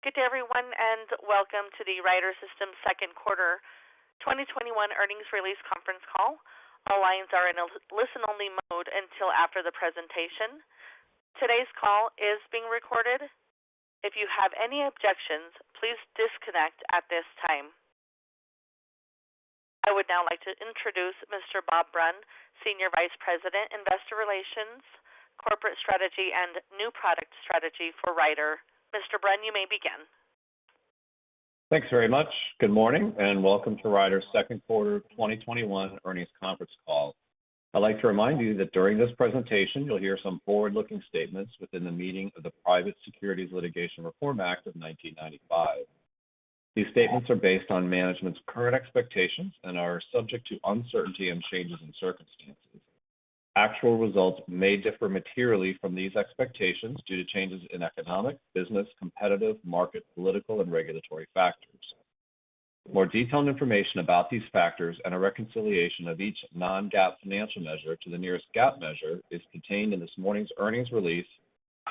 Good day, everyone, and welcome to the Ryder System second quarter 2021 earnings release conference call. All lines are in a listen-only mode until after the presentation. Today's call is being recorded. If you have any objection, please disconnect at this time. I would now like to introduce Mr. Bob Brunn, Senior Vice President, Investor Relations, Corporate Strategy, and New Product Strategy for Ryder. Mr. Brunn, you may begin. Thanks very much. Good morning, and welcome to Ryder's second quarter 2021 earnings conference call. I'd like to remind you that during this presentation, you'll hear some forward-looking statements within the meaning of the Private Securities Litigation Reform Act of 1995. These statements are based on management's current expectations and are subject to uncertainty and changes in circumstances. Actual results may differ materially from these expectations due to changes in economic, business, competitive, market, political, and regulatory factors. More detailed information about these factors and a reconciliation of each non-GAAP financial measure to the nearest GAAP measure is contained in this morning's earnings release,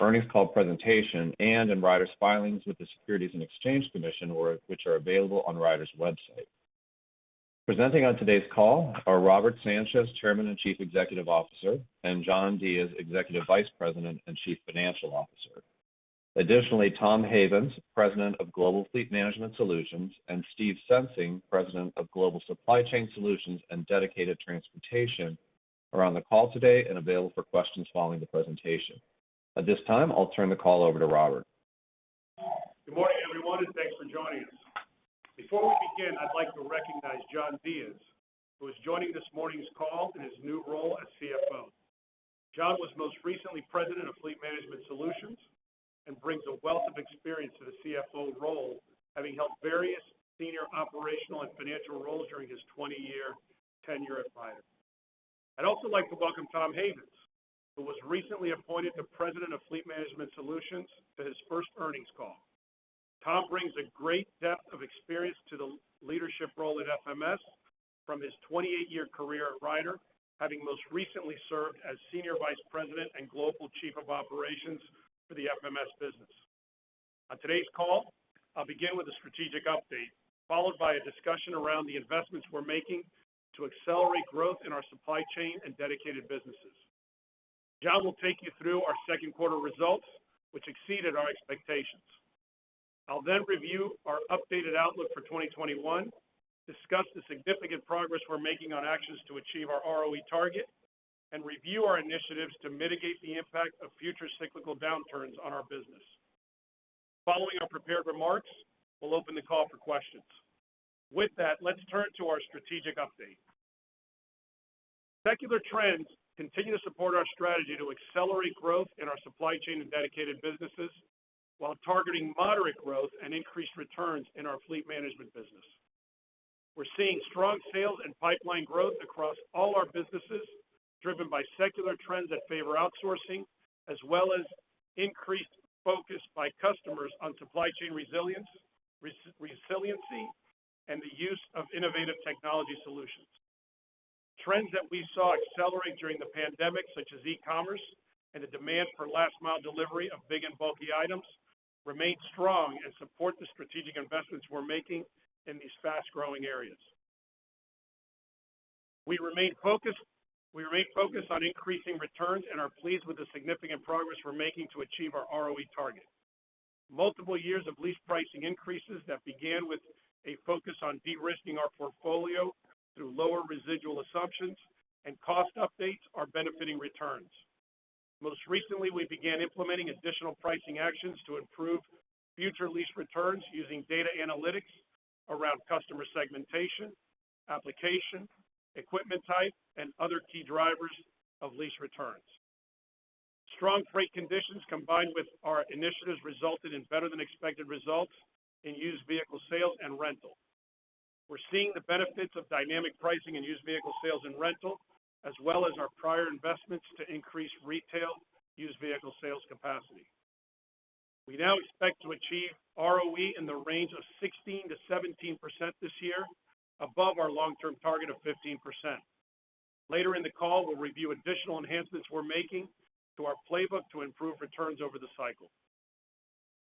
earnings call presentation, and in Ryder's filings with the Securities and Exchange Commission, which are available on Ryder's website. Presenting on today's call are Robert Sanchez, Chairman and Chief Executive Officer, and John Diez, Executive Vice President and Chief Financial Officer. Additionally, Tom Havens, President of Global Fleet Management Solutions, and Steve Sensing, President of Global Supply Chain Solutions and Dedicated Transportation, are on the call today and available for questions following the presentation. At this time, I'll turn the call over to Robert. Good morning, everyone, and thanks for joining us. Before we begin, I'd like to recognize John Diez, who is joining this morning's call in his new role as CFO. John was most recently President of Fleet Management Solutions and brings a wealth of experience to the CFO role, having held various senior operational and financial roles during his 20-year tenure at Ryder. I'd also like to welcome Tom Havens, who was recently appointed the President of Fleet Management Solutions, to his first earnings call. Tom brings a great depth of experience to the leadership role at FMS from his 28-year career at Ryder, having most recently served as Senior Vice President and Global Chief of Operations for the FMS business. On today's call, I'll begin with a strategic update, followed by a discussion around the investments we're making to accelerate growth in our Supply Chain Solutions and Dedicated Transportation Solutions businesses. John will take you through our second quarter results, which exceeded our expectations. I'll then review our updated outlook for 2021, discuss the significant progress we're making on actions to achieve our ROE target, and review our initiatives to mitigate the impact of future cyclical downturns on our business. Following our prepared remarks, we'll open the call for questions. With that, let's turn to our strategic update. Secular trends continue to support our strategy to accelerate growth in our Supply Chain Solutions and Dedicated Transportation Solutions businesses while targeting moderate growth and increased returns in our Fleet Management Solutions business. We're seeing strong sales and pipeline growth across all our businesses, driven by secular trends that favor outsourcing, as well as increased focus by customers on supply chain resiliency, and the use of innovative technology solutions. Trends that we saw accelerate during the pandemic, such as e-commerce and the demand for last-mile delivery of big and bulky items, remain strong and support the strategic investments we're making in these fast-growing areas. We remain focused on increasing returns and are pleased with the significant progress we're making to achieve our ROE target. Multiple years of lease pricing increases that began with a focus on de-risking our portfolio through lower residual assumptions and cost updates are benefiting returns. Most recently, we began implementing additional pricing actions to improve future lease returns using data analytics around customer segmentation, application, equipment type, and other key drivers of lease returns. Strong freight conditions combined with our initiatives resulted in better than expected results in used vehicle sales and rental. We're seeing the benefits of dynamic pricing in used vehicle sales and rental, as well as our prior investments to increase retail used vehicle sales capacity. We now expect to achieve ROE in the range of 16%-17% this year, above our long-term target of 15%. Later in the call, we'll review additional enhancements we're making to our playbook to improve returns over the cycle.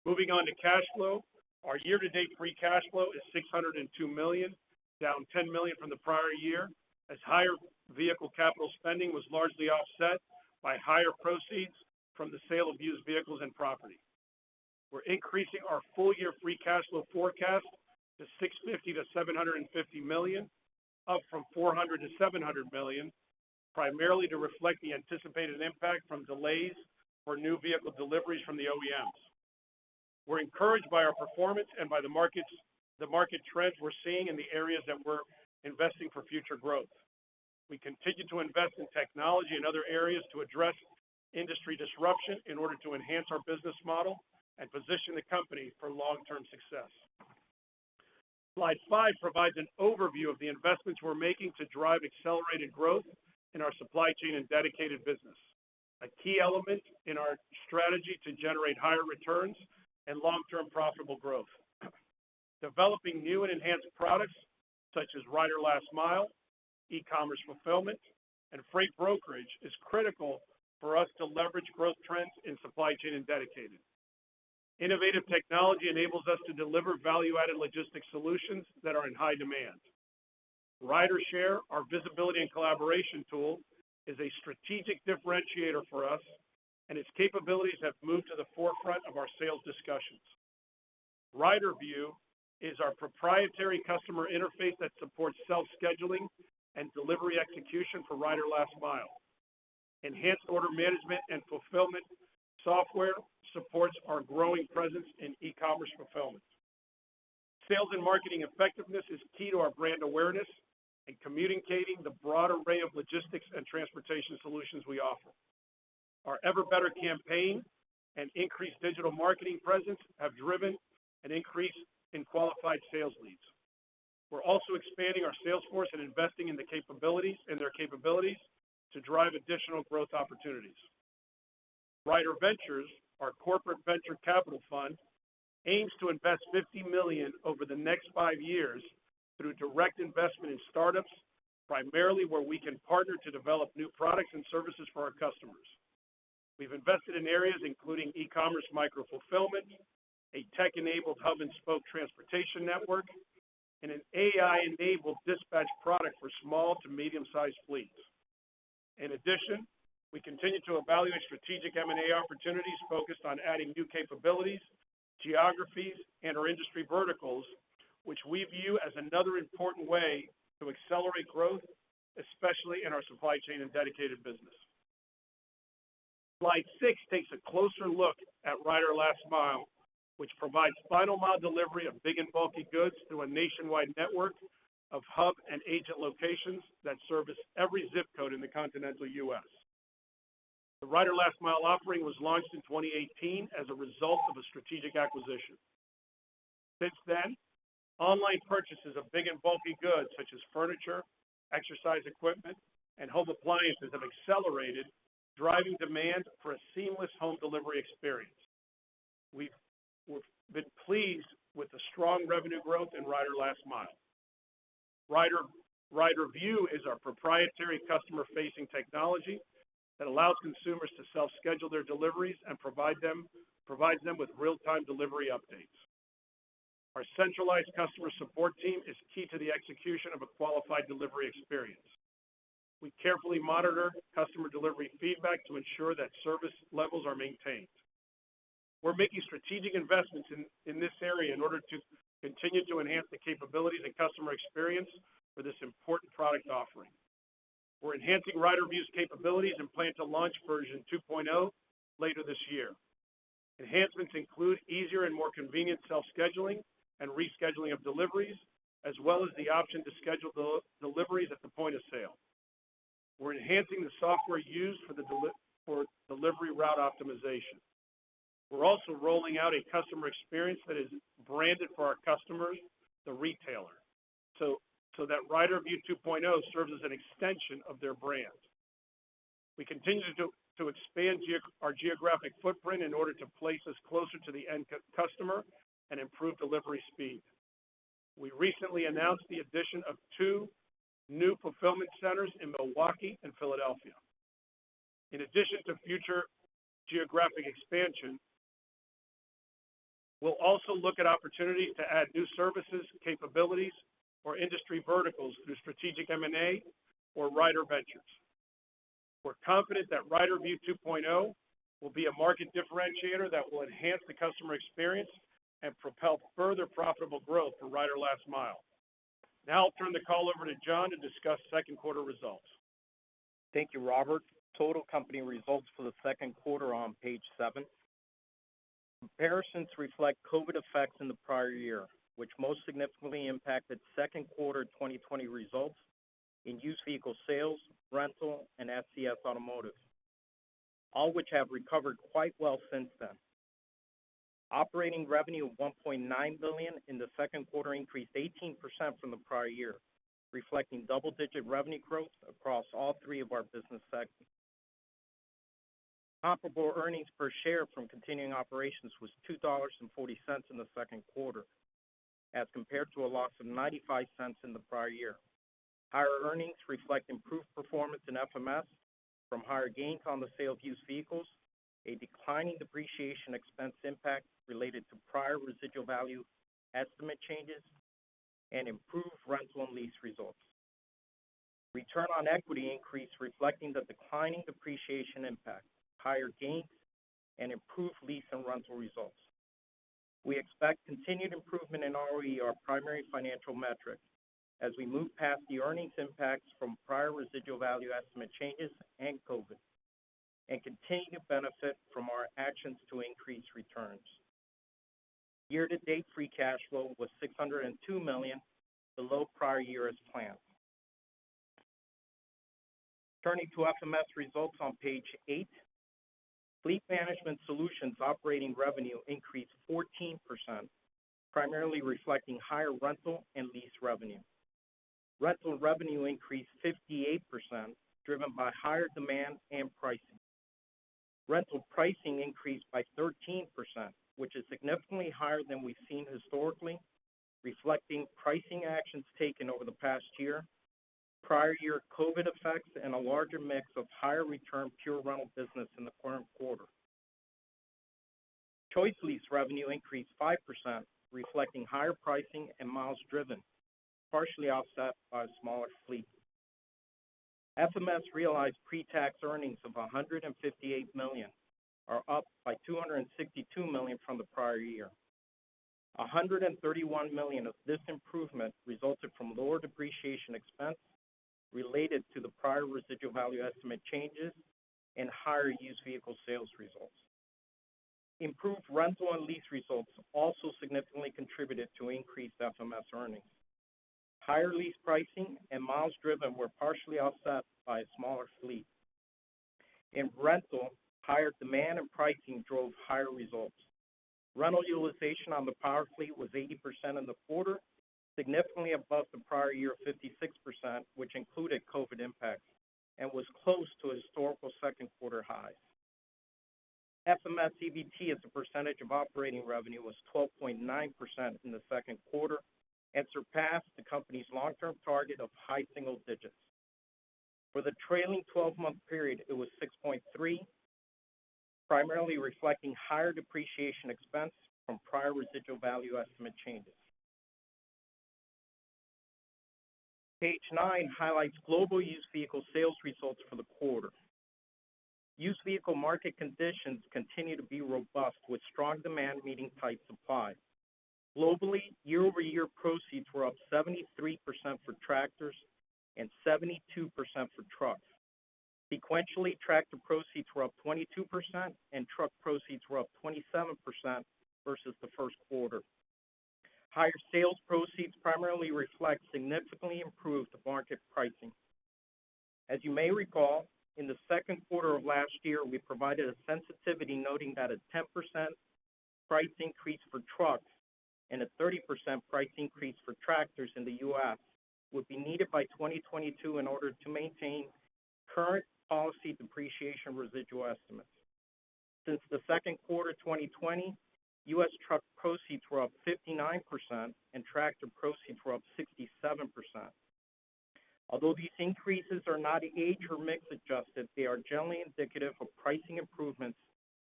Moving on to cash flow. Our year-to-date free cash flow is $602 million, down $10 million from the prior year, as higher vehicle capital spending was largely offset by higher proceeds from the sale of used vehicles and property. We're increasing our full-year free cash flow forecast to $650 million-$750 million, up from $400 million-$700 million, primarily to reflect the anticipated impact from delays for new vehicle deliveries from the OEMs. We're encouraged by our performance and by the market trends we're seeing in the areas that we're investing for future growth. We continue to invest in technology and other areas to address industry disruption in order to enhance our business model and position the company for long-term success. Slide 5 provides an overview of the investments we're making to drive accelerated growth in our Supply Chain and Dedicated business, a key element in our strategy to generate higher returns and long-term profitable growth. Developing new and enhanced products such as Ryder Last Mile, e-commerce fulfillment, and freight brokerage is critical for us to leverage growth trends in Supply Chain and Dedicated. Innovative technology enables us to deliver value-added logistics solutions that are in high demand. RyderShare, our visibility and collaboration tool, is a strategic differentiator for us, and its capabilities have moved to the forefront of our sales discussions. RyderView is our proprietary customer interface that supports self-scheduling and delivery execution for Ryder Last Mile. Enhanced order management and fulfillment software supports our growing presence in e-commerce fulfillment. Sales and marketing effectiveness is key to our brand awareness in communicating the broad array of logistics and transportation solutions we offer. Our Ever Better campaign and increased digital marketing presence have driven an increase in qualified sales leads. We're also expanding our sales force and investing in their capabilities to drive additional growth opportunities. RyderVentures, our corporate venture capital fund, aims to invest $50 million over the next five years through direct investment in startups, primarily where we can partner to develop new products and services for our customers. We've invested in areas including e-commerce micro-fulfillment, a tech-enabled hub and spoke transportation network, and an AI-enabled dispatch product for small to medium-sized fleets. In addition, we continue to evaluate strategic M&A opportunities focused on adding new capabilities, geographies, and our industry verticals, which we view as another important way to accelerate growth, especially in our supply chain and dedicated business. Slide 6 takes a closer look at Ryder Last Mile, which provides final mile delivery of big and bulky goods through a nationwide network of hub and agent locations that service every zip code in the continental U.S. The Ryder Last Mile offering was launched in 2018 as a result of a strategic acquisition. Since then, online purchases of big and bulky goods such as furniture, exercise equipment, and home appliances have accelerated, driving demand for a seamless home delivery experience. We've been pleased with the strong revenue growth in Ryder Last Mile. RyderView is our proprietary customer-facing technology that allows consumers to self-schedule their deliveries and provides them with real-time delivery updates. Our centralized customer support team is key to the execution of a qualified delivery experience. We carefully monitor customer delivery feedback to ensure that service levels are maintained. We're making strategic investments in this area in order to continue to enhance the capabilities and customer experience for this important product offering. We're enhancing RyderView's capabilities and plan to launch version 2.0 later this year. Enhancements include easier and more convenient self-scheduling and rescheduling of deliveries, as well as the option to schedule deliveries at the point of sale. We're enhancing the software used for delivery route optimization. We're also rolling out a customer experience that is branded for our customers, the retailer, so that RyderView 2.0 serves as an extension of their brand. We continue to expand our geographic footprint in order to place us closer to the end customer and improve delivery speed. We recently announced the addition of two new fulfillment centers in Milwaukee and Philadelphia. In addition to future geographic expansion, we'll also look at opportunities to add new services, capabilities, or industry verticals through strategic M&A or RyderVentures. We're confident that RyderView 2.0 will be a market differentiator that will enhance the customer experience and propel further profitable growth for Ryder Last Mile. Now I'll turn the call over to John to discuss second quarter results. Thank you, Robert. Total company results for the second quarter are on page 7. Comparisons reflect COVID effects in the prior year, which most significantly impacted second quarter 2020 results in used vehicle sales, rental, and SCS Automotive, all which have recovered quite well since then. Operating revenue of $1.9 billion in the second quarter increased 18% from the prior year, reflecting double-digit revenue growth across all three of our business segments. Comparable earnings per share from continuing operations was $2.40 in the second quarter as compared to a loss of $0.95 in the prior year. Higher earnings reflect improved performance in FMS from higher gains on the sale of used vehicles, a declining depreciation expense impact related to prior residual value estimate changes, and improved rental and lease results. Return on equity increased, reflecting the declining depreciation impact, higher gains, and improved lease and rental results. We expect continued improvement in ROE, our primary financial metric, as we move past the earnings impacts from prior residual value estimate changes and COVID, and continue to benefit from our actions to increase returns. Year to date free cash flow was $602 million, below prior year as planned. Turning to FMS results on page 8. Fleet Management Solutions operating revenue increased 14%, primarily reflecting higher rental and lease revenue. Rental revenue increased 58%, driven by higher demand and pricing. Rental pricing increased by 13%, which is significantly higher than we've seen historically, reflecting pricing actions taken over the past year, prior year COVID effects, and a larger mix of higher return pure rental business in the current quarter. ChoiceLease revenue increased 5%, reflecting higher pricing and miles driven, partially offset by a smaller fleet. FMS realized pre-tax earnings of $158 million, or up by $262 million from the prior year. $131 million of this improvement resulted from lower depreciation expense related to the prior residual value estimate changes and higher used vehicle sales results. Improved rental and lease results also significantly contributed to increased FMS earnings. Higher lease pricing and miles driven were partially offset by a smaller fleet. In rental, higher demand and pricing drove higher results. Rental utilization on the power fleet was 80% in the quarter, significantly above the prior year, 56%, which included COVID impacts, and was close to historical second quarter highs. FMS EBT as a percentage of operating revenue was 12.9% in the second quarter and surpassed the company's long-term target of high single digits. For the trailing 12-month period, it was 6.3%, primarily reflecting higher depreciation expense from prior residual value estimate changes. Page 9 highlights global used vehicle sales results for the quarter. Used vehicle market conditions continue to be robust, with strong demand meeting tight supply. Globally, year-over-year proceeds were up 73% for tractors and 72% for trucks. Sequentially, tractor proceeds were up 22% and truck proceeds were up 27% versus the first quarter. Higher sales proceeds primarily reflect significantly improved market pricing. As you may recall, in the second quarter of last year, we provided a sensitivity noting that a 10% price increase for trucks and a 30% price increase for tractors in the U.S. would be needed by 2022 in order to maintain current policy depreciation residual estimates. Since the second quarter 2020, U.S. truck proceeds were up 59% and tractor proceeds were up 67%. Although these increases are not age or mix adjusted, they are generally indicative of pricing improvements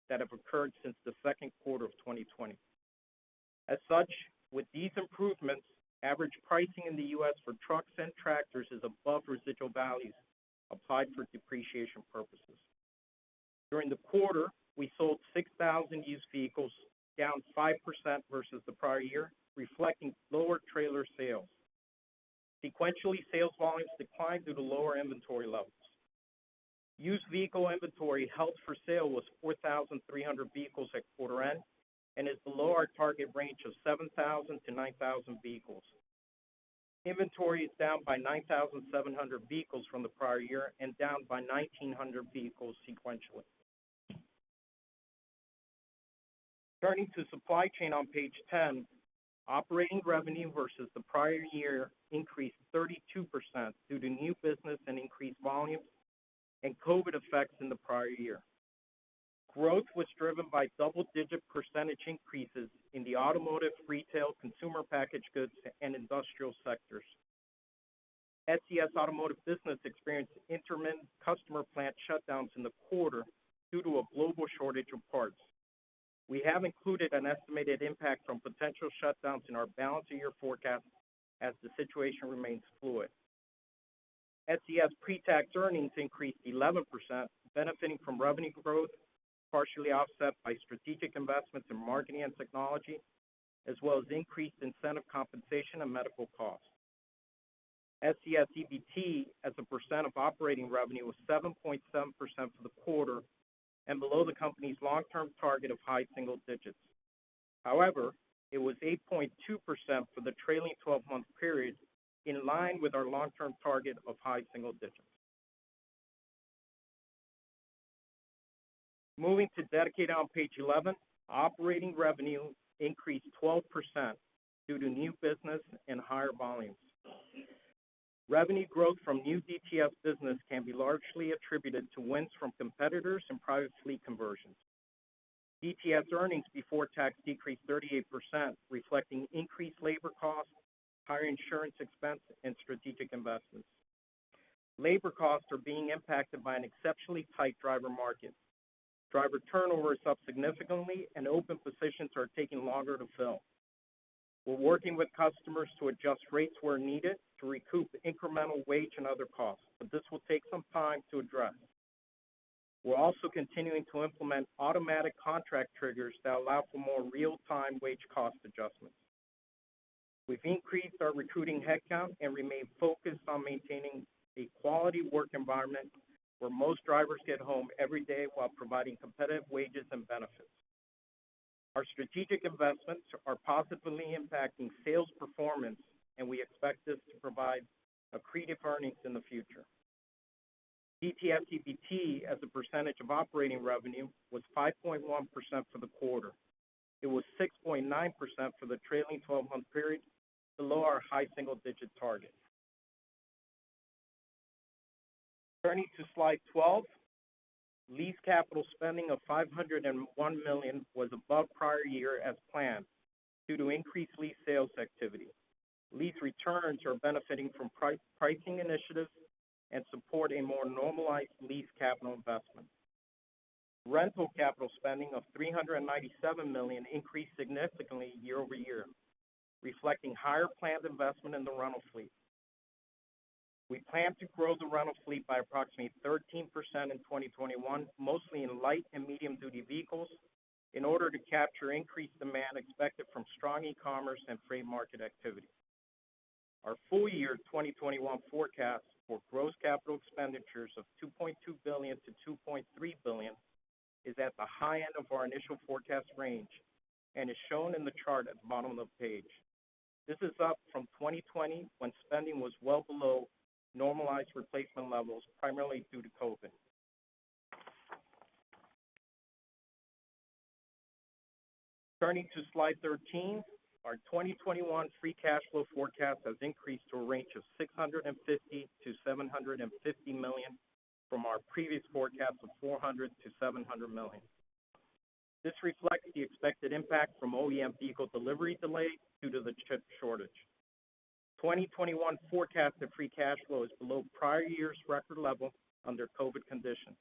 that have occurred since the second quarter of 2020. As such, with these improvements, average pricing in the U.S. for trucks and tractors is above residual values applied for depreciation purposes. During the quarter, we sold 6,000 used vehicles, down 5% versus the prior year, reflecting lower trailer sales. Sequentially, sales volumes declined due to lower inventory levels. Used vehicle inventory held for sale was 4,300 vehicles at quarter end and is below our target range of 7,000-9,000 vehicles. Inventory is down by 9,700 vehicles from the prior year and down by 1,900 vehicles sequentially. Turning to Supply Chain on page 10, operating revenue versus the prior year increased 32% due to new business and increased volumes and COVID effects in the prior year. Growth was driven by double-digit percentage increases in the automotive, retail, consumer packaged goods, and industrial sectors. SCS automotive business experienced intermittent customer plant shutdowns in the quarter due to a global shortage of parts. We have included an estimated impact from potential shutdowns in our balance of year forecast as the situation remains fluid. SCS pre-tax earnings increased 11%, benefiting from revenue growth, partially offset by strategic investments in marketing and technology, as well as increased incentive compensation and medical costs. SCS EBT as a % of operating revenue was 7.7% for the quarter and below the company's long-term target of high single digits. However, it was 8.2% for the trailing 12-month period, in line with our long-term target of high single digits. Moving to Dedicated on page 11, operating revenue increased 12% due to new business and higher volumes. Revenue growth from new DTS business can be largely attributed to wins from competitors and private fleet conversions. DTS earnings before tax decreased 38%, reflecting increased labor costs, higher insurance expense, and strategic investments. Labor costs are being impacted by an exceptionally tight driver market. Driver turnover is up significantly. Open positions are taking longer to fill. We're working with customers to adjust rates where needed to recoup the incremental wage and other costs. This will take some time to address. We're also continuing to implement automatic contract triggers that allow for more real-time wage cost adjustments. We've increased our recruiting headcount and remain focused on maintaining a quality work environment where most drivers get home every day while providing competitive wages and benefits. Our strategic investments are positively impacting sales performance. We expect this to provide accretive earnings in the future. DTS EBT as a percentage of operating revenue was 5.1% for the quarter. It was 6.9% for the trailing 12-month period, below our high single-digit target. Turning to slide 12. Lease capital spending of $501 million was above prior year as planned due to increased lease sales activity. Lease returns are benefiting from pricing initiatives and support a more normalized lease capital investment. Rental capital spending of $397 million increased significantly year-over-year, reflecting higher planned investment in the rental fleet. We plan to grow the rental fleet by approximately 13% in 2021, mostly in light and medium-duty vehicles, in order to capture increased demand expected from strong e-commerce and freight market activity. Our full year 2021 forecast for gross capital expenditures of $2.2 billion-$2.3 billion is at the high end of our initial forecast range and is shown in the chart at the bottom of the page. This is up from 2020, when spending was well below normalized replacement levels, primarily due to COVID. Turning to slide 13. Our 2021 free cash flow forecast has increased to a range of $650 million-$750 million from our previous forecast of $400 million-$700 million. This reflects the expected impact from OEM vehicle delivery delays due to the chip shortage. 2021 forecast of free cash flow is below prior year's record level under COVID conditions,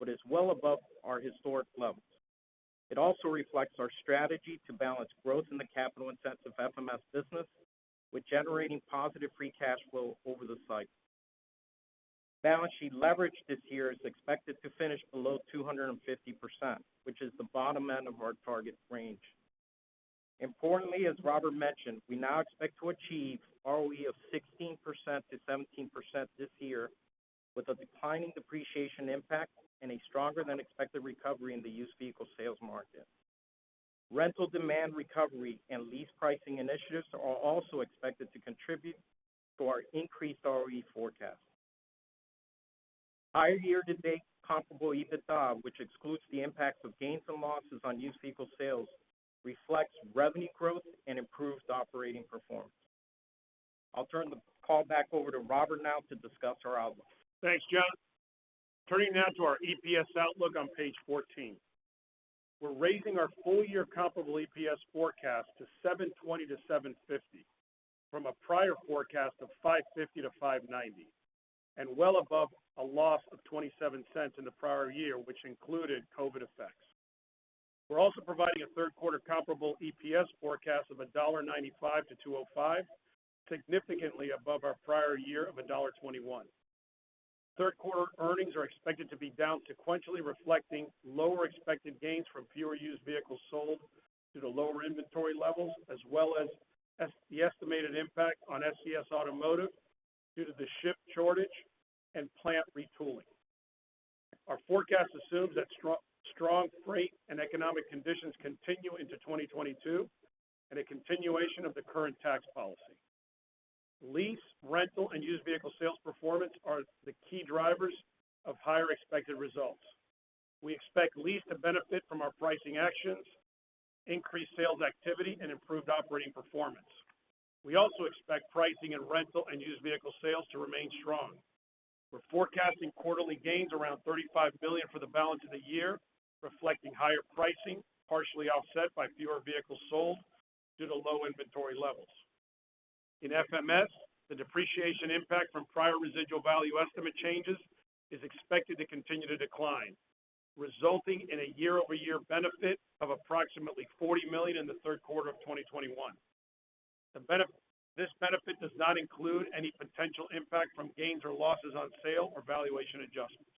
but is well above our historic levels. It also reflects our strategy to balance growth in the capital-intensive FMS business with generating positive free cash flow over the cycle. Balance sheet leverage this year is expected to finish below 250%, which is the bottom end of our target range. As Robert mentioned, we now expect to achieve ROE of 16%-17% this year with a declining depreciation impact and a stronger than expected recovery in the used vehicle sales market. Rental demand recovery and lease pricing initiatives are also expected to contribute to our increased ROE forecast. Higher year-to-date comparable EBITDA, which excludes the impacts of gains and losses on used vehicle sales, reflects revenue growth and improved operating performance. I'll turn the call back over to Robert now to discuss our outlook. Thanks, John. Turning now to our EPS outlook on page 14. We're raising our full-year comparable EPS forecast to $7.20-$7.50 from a prior forecast of $5.50-$5.90, and well above a loss of $0.27 in the prior year, which included COVID effects. We're also providing a third quarter comparable EPS forecast of $1.95-$2.05, significantly above our prior year of $1.21. Third quarter earnings are expected to be down sequentially, reflecting lower expected gains from fewer used vehicles sold due to lower inventory levels, as well as the estimated impact on SCS Automotive due to the chip shortage and plant retooling. Our forecast assumes that strong freight and economic conditions continue into 2022, a continuation of the current tax policy. Lease, rental, and used vehicle sales performance are the key drivers of higher expected results. We expect lease to benefit from our pricing actions, increased sales activity, and improved operating performance. We also expect pricing in rental and used vehicle sales to remain strong. We're forecasting quarterly gains around $35 million for the balance of the year, reflecting higher pricing, partially offset by fewer vehicles sold due to low inventory levels. In FMS, the depreciation impact from prior residual value estimate changes is expected to continue to decline, resulting in a year-over-year benefit of approximately $40 million in the third quarter of 2021. This benefit does not include any potential impact from gains or losses on sale or valuation adjustments.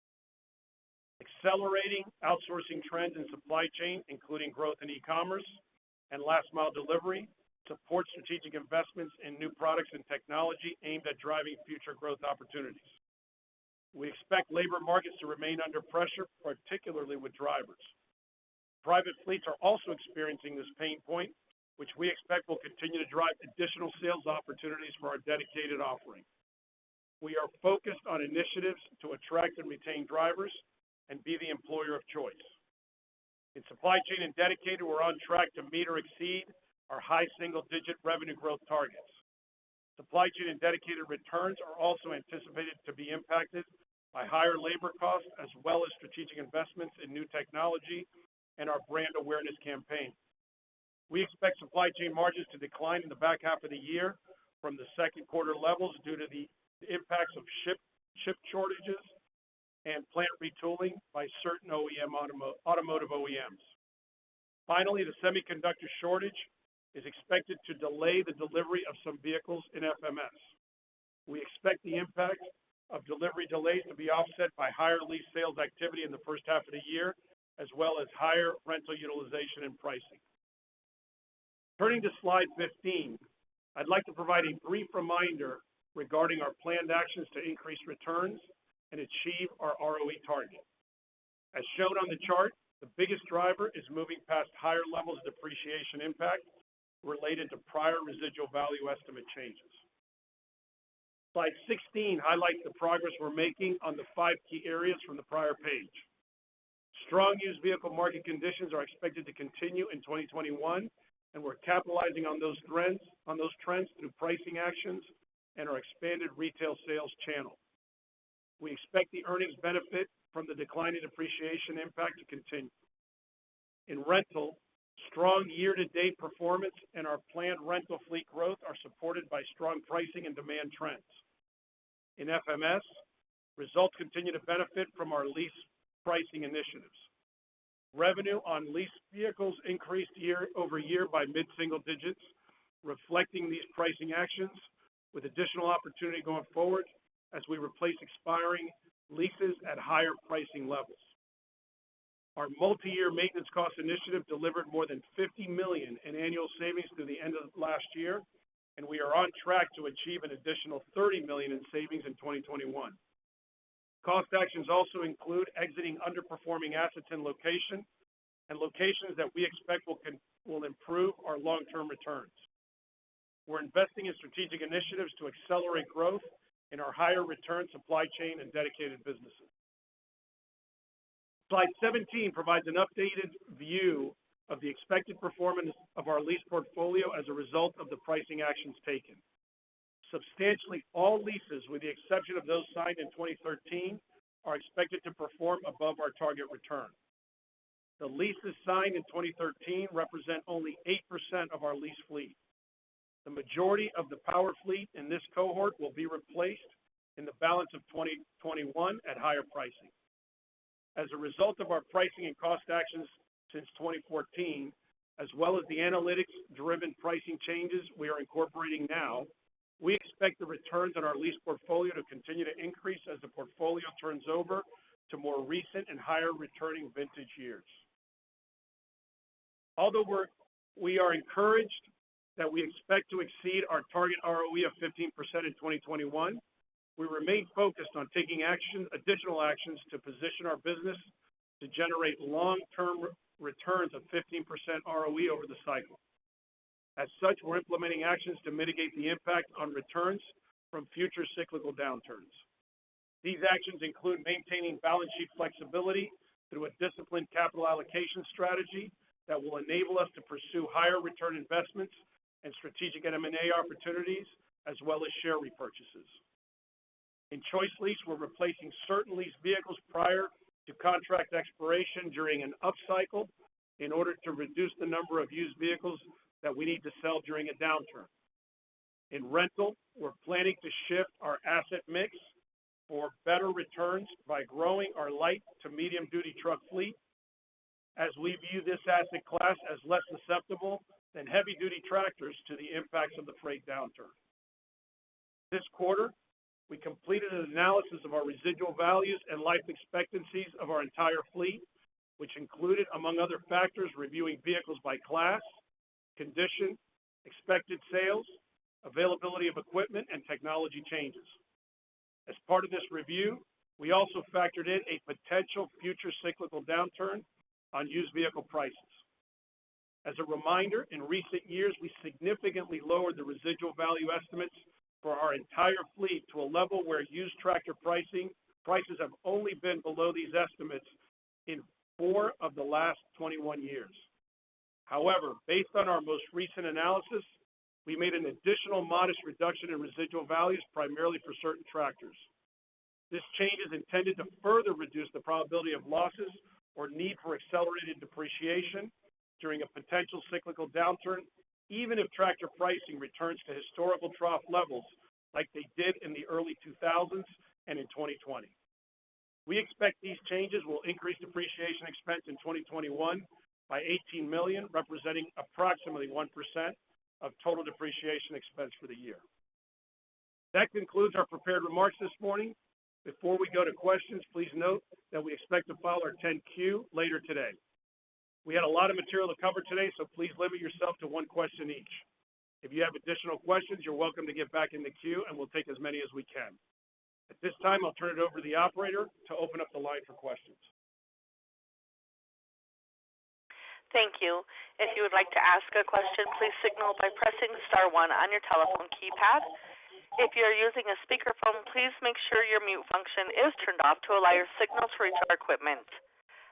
Accelerating outsourcing trends in supply chain, including growth in e-commerce and last-mile delivery, support strategic investments in new products and technology aimed at driving future growth opportunities. We expect labor markets to remain under pressure, particularly with drivers. Private fleets are also experiencing this pain point, which we expect will continue to drive additional sales opportunities for our dedicated offering. We are focused on initiatives to attract and retain drivers and be the employer of choice. In supply chain and dedicated, we're on track to meet or exceed our high-single-digit revenue growth targets. Supply chain and dedicated returns are also anticipated to be impacted by higher labor costs as well as strategic investments in new technology and our brand awareness campaign. We expect supply chain margins to decline in the back half of the year from the second quarter levels due to the impacts of chip shortages and plant retooling by certain automotive OEMs. Finally, the semiconductor shortage is expected to delay the delivery of some vehicles in FMS. We expect the impact of delivery delays to be offset by higher lease sales activity in the first half of the year, as well as higher rental utilization and pricing. Turning to slide 15. I'd like to provide a brief reminder regarding our planned actions to increase returns and achieve our ROE target. As shown on the chart, the biggest driver is moving past higher levels of depreciation impact related to prior residual value estimate changes. Slide 16 highlights the progress we're making on the five key areas from the prior page. Strong used vehicle market conditions are expected to continue in 2021, and we're capitalizing on those trends through pricing actions and our expanded retail sales channel. We expect the earnings benefit from the decline in depreciation impact to continue. In rental, strong year-to-date performance and our planned rental fleet growth are supported by strong pricing and demand trends. In FMS, results continue to benefit from our lease pricing initiatives. Revenue on leased vehicles increased year-over-year by mid-single digits, reflecting these pricing actions, with additional opportunity going forward as we replace expiring leases at higher pricing levels. Our multi-year maintenance cost initiative delivered more than $50 million in annual savings through the end of last year, and we are on track to achieve an additional $30 million in savings in 2021. Cost actions also include exiting underperforming assets and locations that we expect will improve our long-term returns. We're investing in strategic initiatives to accelerate growth in our higher return supply chain and dedicated businesses. Slide 17 provides an updated view of the expected performance of our lease portfolio as a result of the pricing actions taken. Substantially all leases, with the exception of those signed in 2013, are expected to perform above our target return. The leases signed in 2013 represent only 8% of our lease fleet. The majority of the power fleet in this cohort will be replaced in the balance of 2021 at higher pricing. As a result of our pricing and cost actions since 2014, as well as the analytics-driven pricing changes we are incorporating now, we expect the returns on our lease portfolio to continue to increase as the portfolio turns over to more recent and higher returning vintage years. Although we are encouraged that we expect to exceed our target ROE of 15% in 2021, we remain focused on taking additional actions to position our business to generate long-term returns of 15% ROE over the cycle. As such, we're implementing actions to mitigate the impact on returns from future cyclical downturns. These actions include maintaining balance sheet flexibility through a disciplined capital allocation strategy that will enable us to pursue higher return investments and strategic M&A opportunities, as well as share repurchases. In ChoiceLease, we're replacing certain leased vehicles prior to contract expiration during an upcycle in order to reduce the number of used vehicles that we need to sell during a downturn. In rental, we're planning to shift our asset mix for better returns by growing our light to medium duty truck fleet as we view this asset class as less susceptible than heavy duty tractors to the impacts of the freight downturn. This quarter, we completed an analysis of our residual values and life expectancies of our entire fleet, which included, among other factors, reviewing vehicles by class, condition, expected sales, availability of equipment, and technology changes. As part of this review, we also factored in a potential future cyclical downturn on used vehicle prices. As a reminder, in recent years, we significantly lowered the residual value estimates for our entire fleet to a level where used tractor prices have only been below these estimates in four of the last 21 years. However, based on our most recent analysis, we made an additional modest reduction in residual values, primarily for certain tractors. This change is intended to further reduce the probability of losses or need for accelerated depreciation during a potential cyclical downturn, even if tractor pricing returns to historical trough levels like they did in the early 2000s and in 2020. We expect these changes will increase depreciation expense in 2021 by $18 million, representing approximately 1% of total depreciation expense for the year. That concludes our prepared remarks this morning. Before we go to questions, please note that we expect to file our 10-Q later today. We had a lot of material to cover today. Please limit yourself to one question each. If you have additional questions, you're welcome to get back in the queue and we'll take as many as we can. At this time, I'll turn it over to the operator to open up the line for questions. Thank you.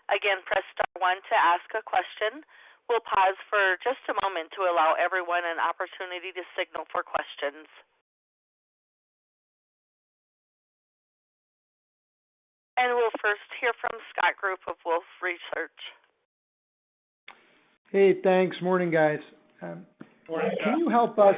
We'll first hear from Scott Group of Wolfe Research. Hey, thanks. Morning, guys. Morning. Can you help us?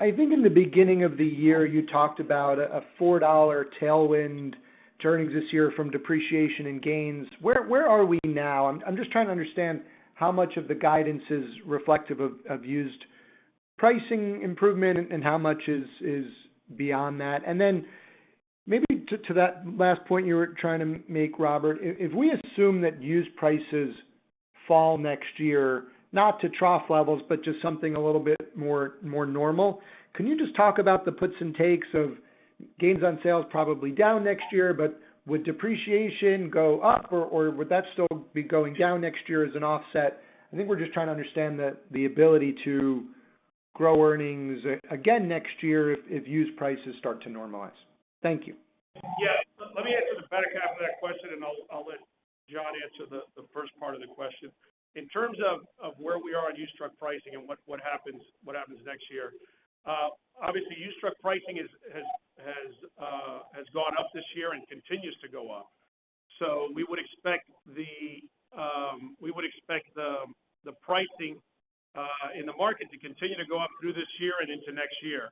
I think in the beginning of the year, you talked about a $4 tailwind turning this year from depreciation and gains. Where are we now? I'm just trying to understand how much of the guidance is reflective of used pricing improvement, and how much is beyond that? Maybe to that last point you were trying to make, Robert, if we assume that used prices fall next year, not to trough levels, but to something a little bit more normal, can you just talk about the puts and takes of gains on sales probably down next year, but would depreciation go up, or would that still be going down next year as an offset? I think we're just trying to understand the ability to grow earnings again next year if used prices start to normalize. Thank you. Yeah. Let me answer the back half of that question, and I'll let John answer the first part of the question. In terms of where we are on used truck pricing and what happens next year, obviously, used truck pricing has gone up this year and continues to go up. We would expect the pricing in the market to continue to go up through this year and into next year.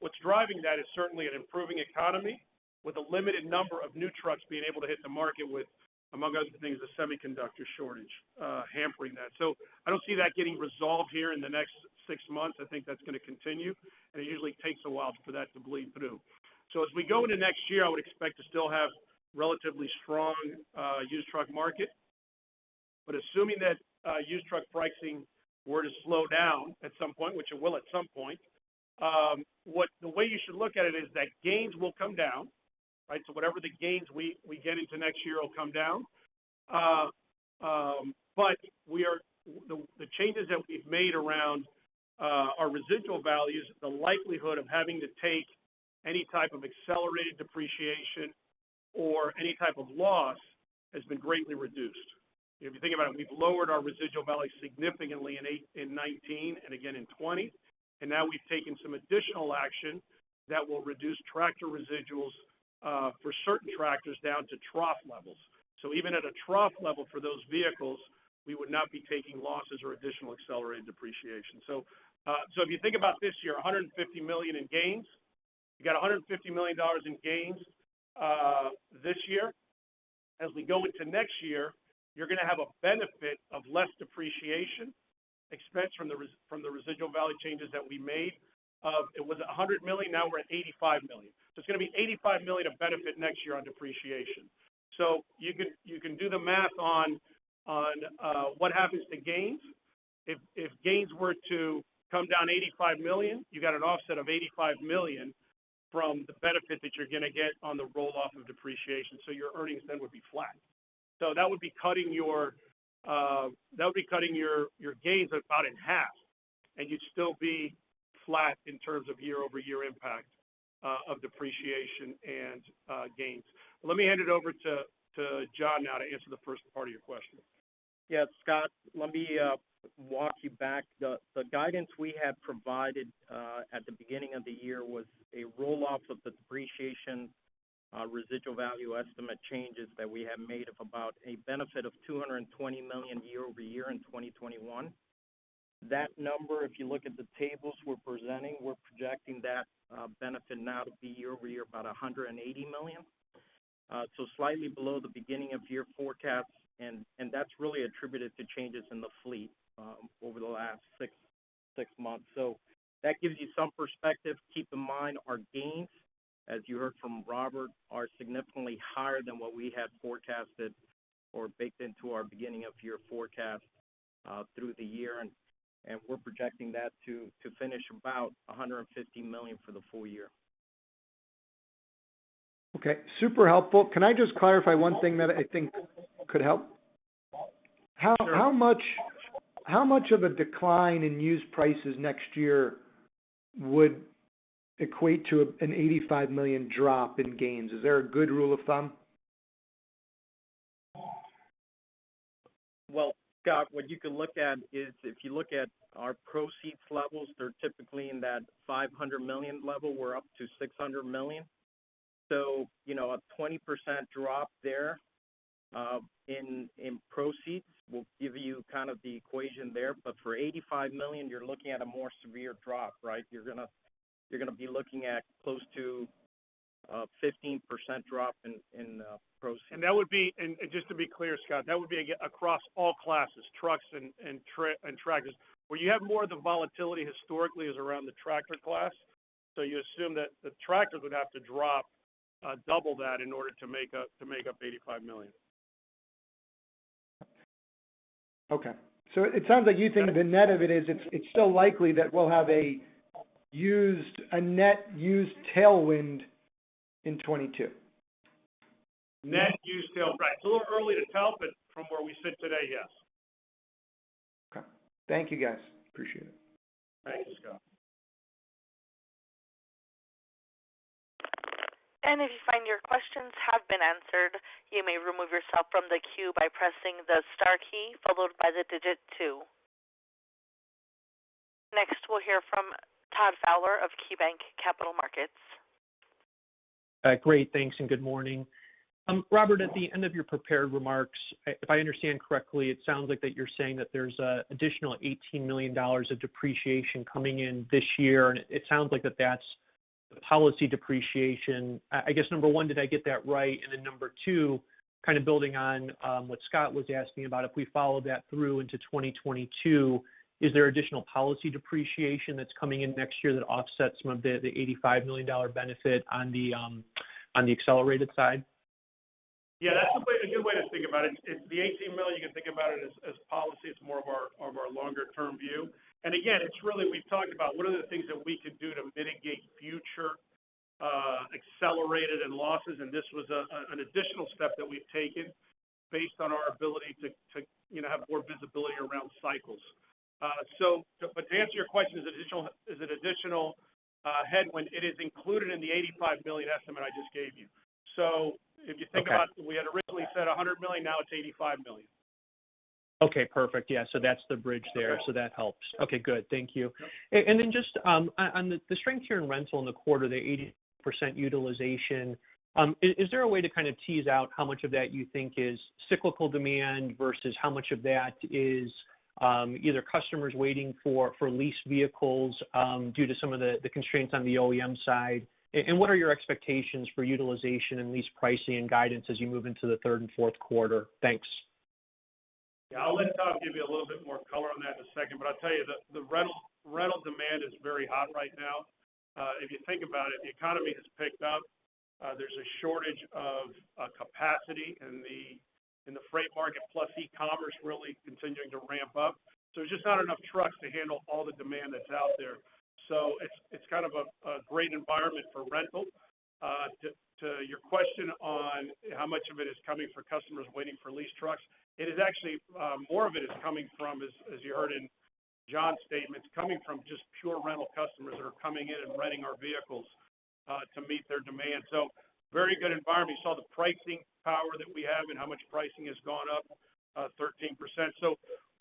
What's driving that is certainly an improving economy with a limited number of new trucks being able to hit the market with, among other things, a semiconductor shortage hampering that. I don't see that getting resolved here in the next 6 months. I think that's going to continue, and it usually takes a while for that to bleed through. As we go into next year, I would expect to still have relatively strong used truck market. Assuming that used truck pricing were to slow down at some point, which it will at some point, the way you should look at it is that gains will come down. Whatever the gains we get into next year will come down. The changes that we've made around our residual values, the likelihood of having to take any type of accelerated depreciation or any type of loss has been greatly reduced. If you think about it, we've lowered our residual value significantly in 2019, and again in 2020, and now we've taken some additional action that will reduce tractor residuals for certain tractors down to trough levels. Even at a trough level for those vehicles, we would not be taking losses or additional accelerated depreciation. If you think about this year, $150 million in gains. You got $150 million in gains this year. As we go into next year, you're going to have a benefit of less depreciation expense from the residual value changes that we made. It was $100 million, now we're at $85 million. It's going to be $85 million of benefit next year on depreciation. You can do the math on what happens to gains. If gains were to come down $85 million, you got an offset of $85 million from the benefit that you're going to get on the roll-off of depreciation, so your earnings then would be flat. That would be cutting your gains about in half, and you'd still be flat in terms of year-over-year impact of depreciation and gains. Let me hand it over to John now to answer the first part of your question. Yeah, Scott, let me walk you back. The guidance we had provided at the beginning of the year was a roll-off of the depreciation residual value estimate changes that we have made of about a benefit of $220 million year-over-year in 2021. That number, if you look at the tables we're presenting, we're projecting that benefit now to be year-over-year about $180 million. Slightly below the beginning of year forecast, and that's really attributed to changes in the fleet over the last 6 months. That gives you some perspective. Keep in mind, our gains, as you heard from Robert, are significantly higher than what we had forecasted or baked into our beginning of year forecast through the year, and we're projecting that to finish about $150 million for the full year. Okay. Super helpful. Can I just clarify one thing that I think could help? Sure. How much of a decline in used prices next year would equate to an $85 million drop in gains? Is there a good rule of thumb? Well, Scott, what you could look at is if you look at our proceeds levels, they're typically in that $500 million level. We're up to $600 million. A 20% drop there in proceeds will give you kind of the equation there. For $85 million, you're looking at a more severe drop. You're going to be looking at close to a 15% drop in proceeds. Just to be clear, Scott, that would be across all classes, trucks and tractors. Where you have more of the volatility historically is around the tractor class. You assume that the tractors would have to drop double that in order to make up $85 million. Okay. It sounds like you think the net of it is it's still likely that we'll have a net used tailwind in 2022. Net used tail, right. It's a little early to tell, but from where we sit today, yes. Okay. Thank you, guys. Appreciate it. Thanks, Scott. If you find your questions have been answered, you may remove yourself from the queue by pressing the star key followed by two. Next, we'll hear from Todd Fowler of KeyBanc Capital Markets. Great. Thanks, good morning. Robert, at the end of your prepared remarks, if I understand correctly, it sounds like that you're saying that there's additional $18 million of depreciation coming in this year, and it sounds like that that's policy depreciation. I guess number one, did I get that right? Then number two, kind of building on what Scott was asking about, if we follow that through into 2022, is there additional policy depreciation that's coming in next year that offsets some of the $85 million benefit on the accelerated side? Yeah, that's a good way to think about it. The $18 million, you can think about it as policy. It's more of our longer-term view. Again, it's really we've talked about what are the things that we can do to mitigate future accelerated in losses, and this was an additional step that we've taken based on our ability to have more visibility around cycles. To answer your question, is it additional headwind? It is included in the $85 million estimate I just gave you. Okay We had originally said $100 million, now it's $85 million. Okay, perfect. Yeah. That's the bridge there. Yeah. That helps. Okay, good. Thank you. Yep. Just on the strength here in rental in the quarter, the 80% utilization, is there a way to kind of tease out how much of that you think is cyclical demand versus how much of that is either customers waiting for lease vehicles due to some of the constraints on the OEM side? What are your expectations for utilization and lease pricing and guidance as you move into the third and fourth quarter? Thanks. I'll let Tom give you a little bit more color on that in a second, but I'll tell you, the rental demand is very hot right now. If you think about it, the economy has picked up. There's a shortage of capacity in the freight market, plus e-commerce really continuing to ramp up. There's just not enough trucks to handle all the demand that's out there. It's kind of a great environment for rental. To your question on how much of it is coming for customers waiting for lease trucks, it is actually, more of it is coming from, as you heard in John's statements, coming from just pure rental customers that are coming in and renting our vehicles to meet their demand. Very good environment. You saw the pricing power that we have and how much pricing has gone up, 13%.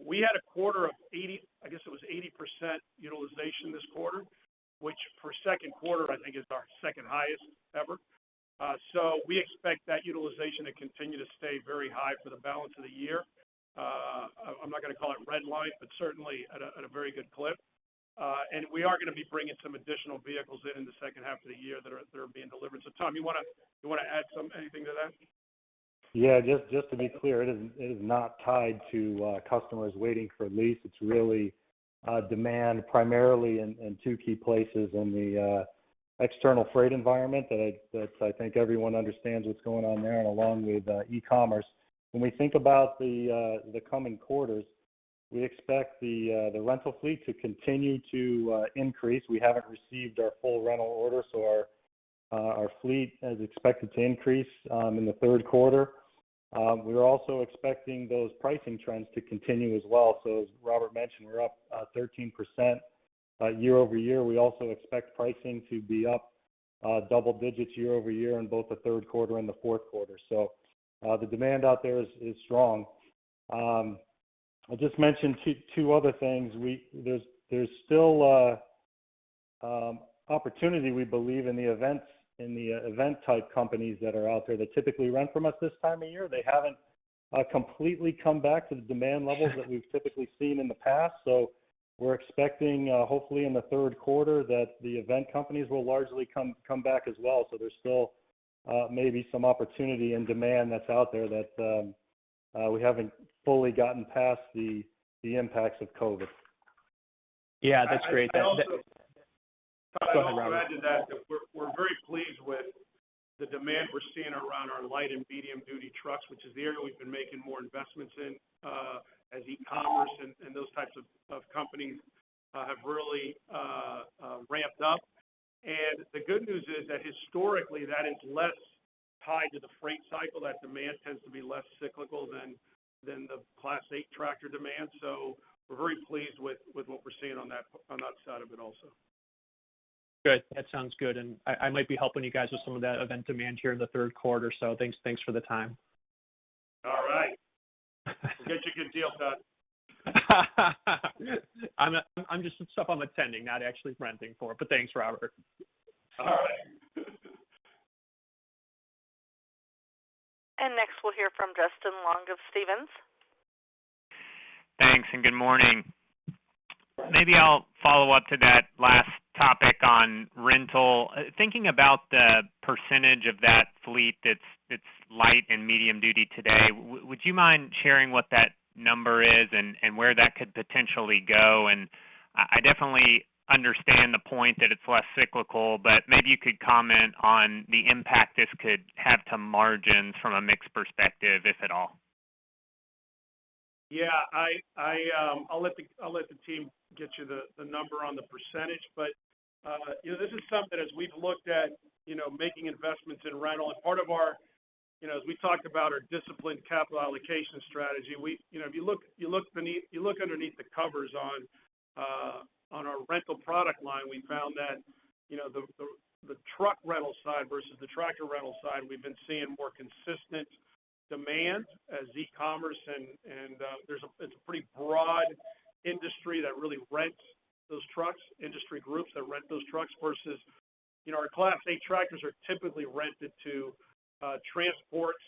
We had a quarter of 80%, I guess it was 80% utilization this quarter, which for second quarter I think is our second highest ever. We expect that utilization to continue to stay very high for the balance of the year. I'm not going to call it red line, but certainly at a very good clip. We are going to be bringing some additional vehicles in the second half of the year that are being delivered. Tom, you want to add anything to that? Just to be clear, it is not tied to customers waiting for lease. It's really demand primarily in two key places in the external freight environment that I think everyone understands what's going on there and along with e-commerce. When we think about the coming quarters, we expect the rental fleet to continue to increase. We haven't received our full rental order, our fleet is expected to increase in the third quarter. We are also expecting those pricing trends to continue as well. As Robert mentioned, we're up 13% year-over-year. We also expect pricing to be up double-digits year-over-year in both the third quarter and the fourth quarter. The demand out there is strong. I'll just mention two other things. There's still opportunity, we believe, in the event-type companies that are out there that typically rent from us this time of year. They haven't completely come back to the demand levels that we've typically seen in the past. We're expecting, hopefully in the third quarter, that the event companies will largely come back as well. There's still maybe some opportunity and demand that's out there that we haven't fully gotten past the impacts of COVID. Yeah, that's great. I'd also- Go ahead, Robert. Tom, I'd also add to that we're very pleased with the demand we're seeing around our light and medium-duty trucks, which is the area we've been making more investments in as e-commerce and those types of companies have really ramped up. The good news is that historically that is less tied to the freight cycle. That demand tends to be less cyclical than the Class 8 tractor demand. We're very pleased with what we're seeing on that side of it also. Good. That sounds good. I might be helping you guys with some of that event demand here in the third quarter. Thanks for the time. All right. We'll get you a good deal, Todd. I'm just stuff I'm attending, not actually renting for, but thanks, Robert. All right. Next we'll hear from Justin Long of Stephens. Thanks. Good morning. Maybe I'll follow up to that last topic on rental. Thinking about the percentage of that fleet that's light and medium-duty today, would you mind sharing what that number is and where that could potentially go? I definitely understand the point that it's less cyclical, maybe you could comment on the impact this could have to margins from a mix perspective, if at all. Yeah. I'll let the team get you the number on the percentage. This is something as we've looked at making investments in rental and part of our, as we talked about our disciplined capital allocation strategy. If you look underneath the covers on our rental product line, we found that the truck rental side versus the tractor rental side, we've been seeing more consistent demand as e-commerce and it's a pretty broad industry that really rents those trucks, industry groups that rent those trucks versus our Class 8 tractors are typically rented to transports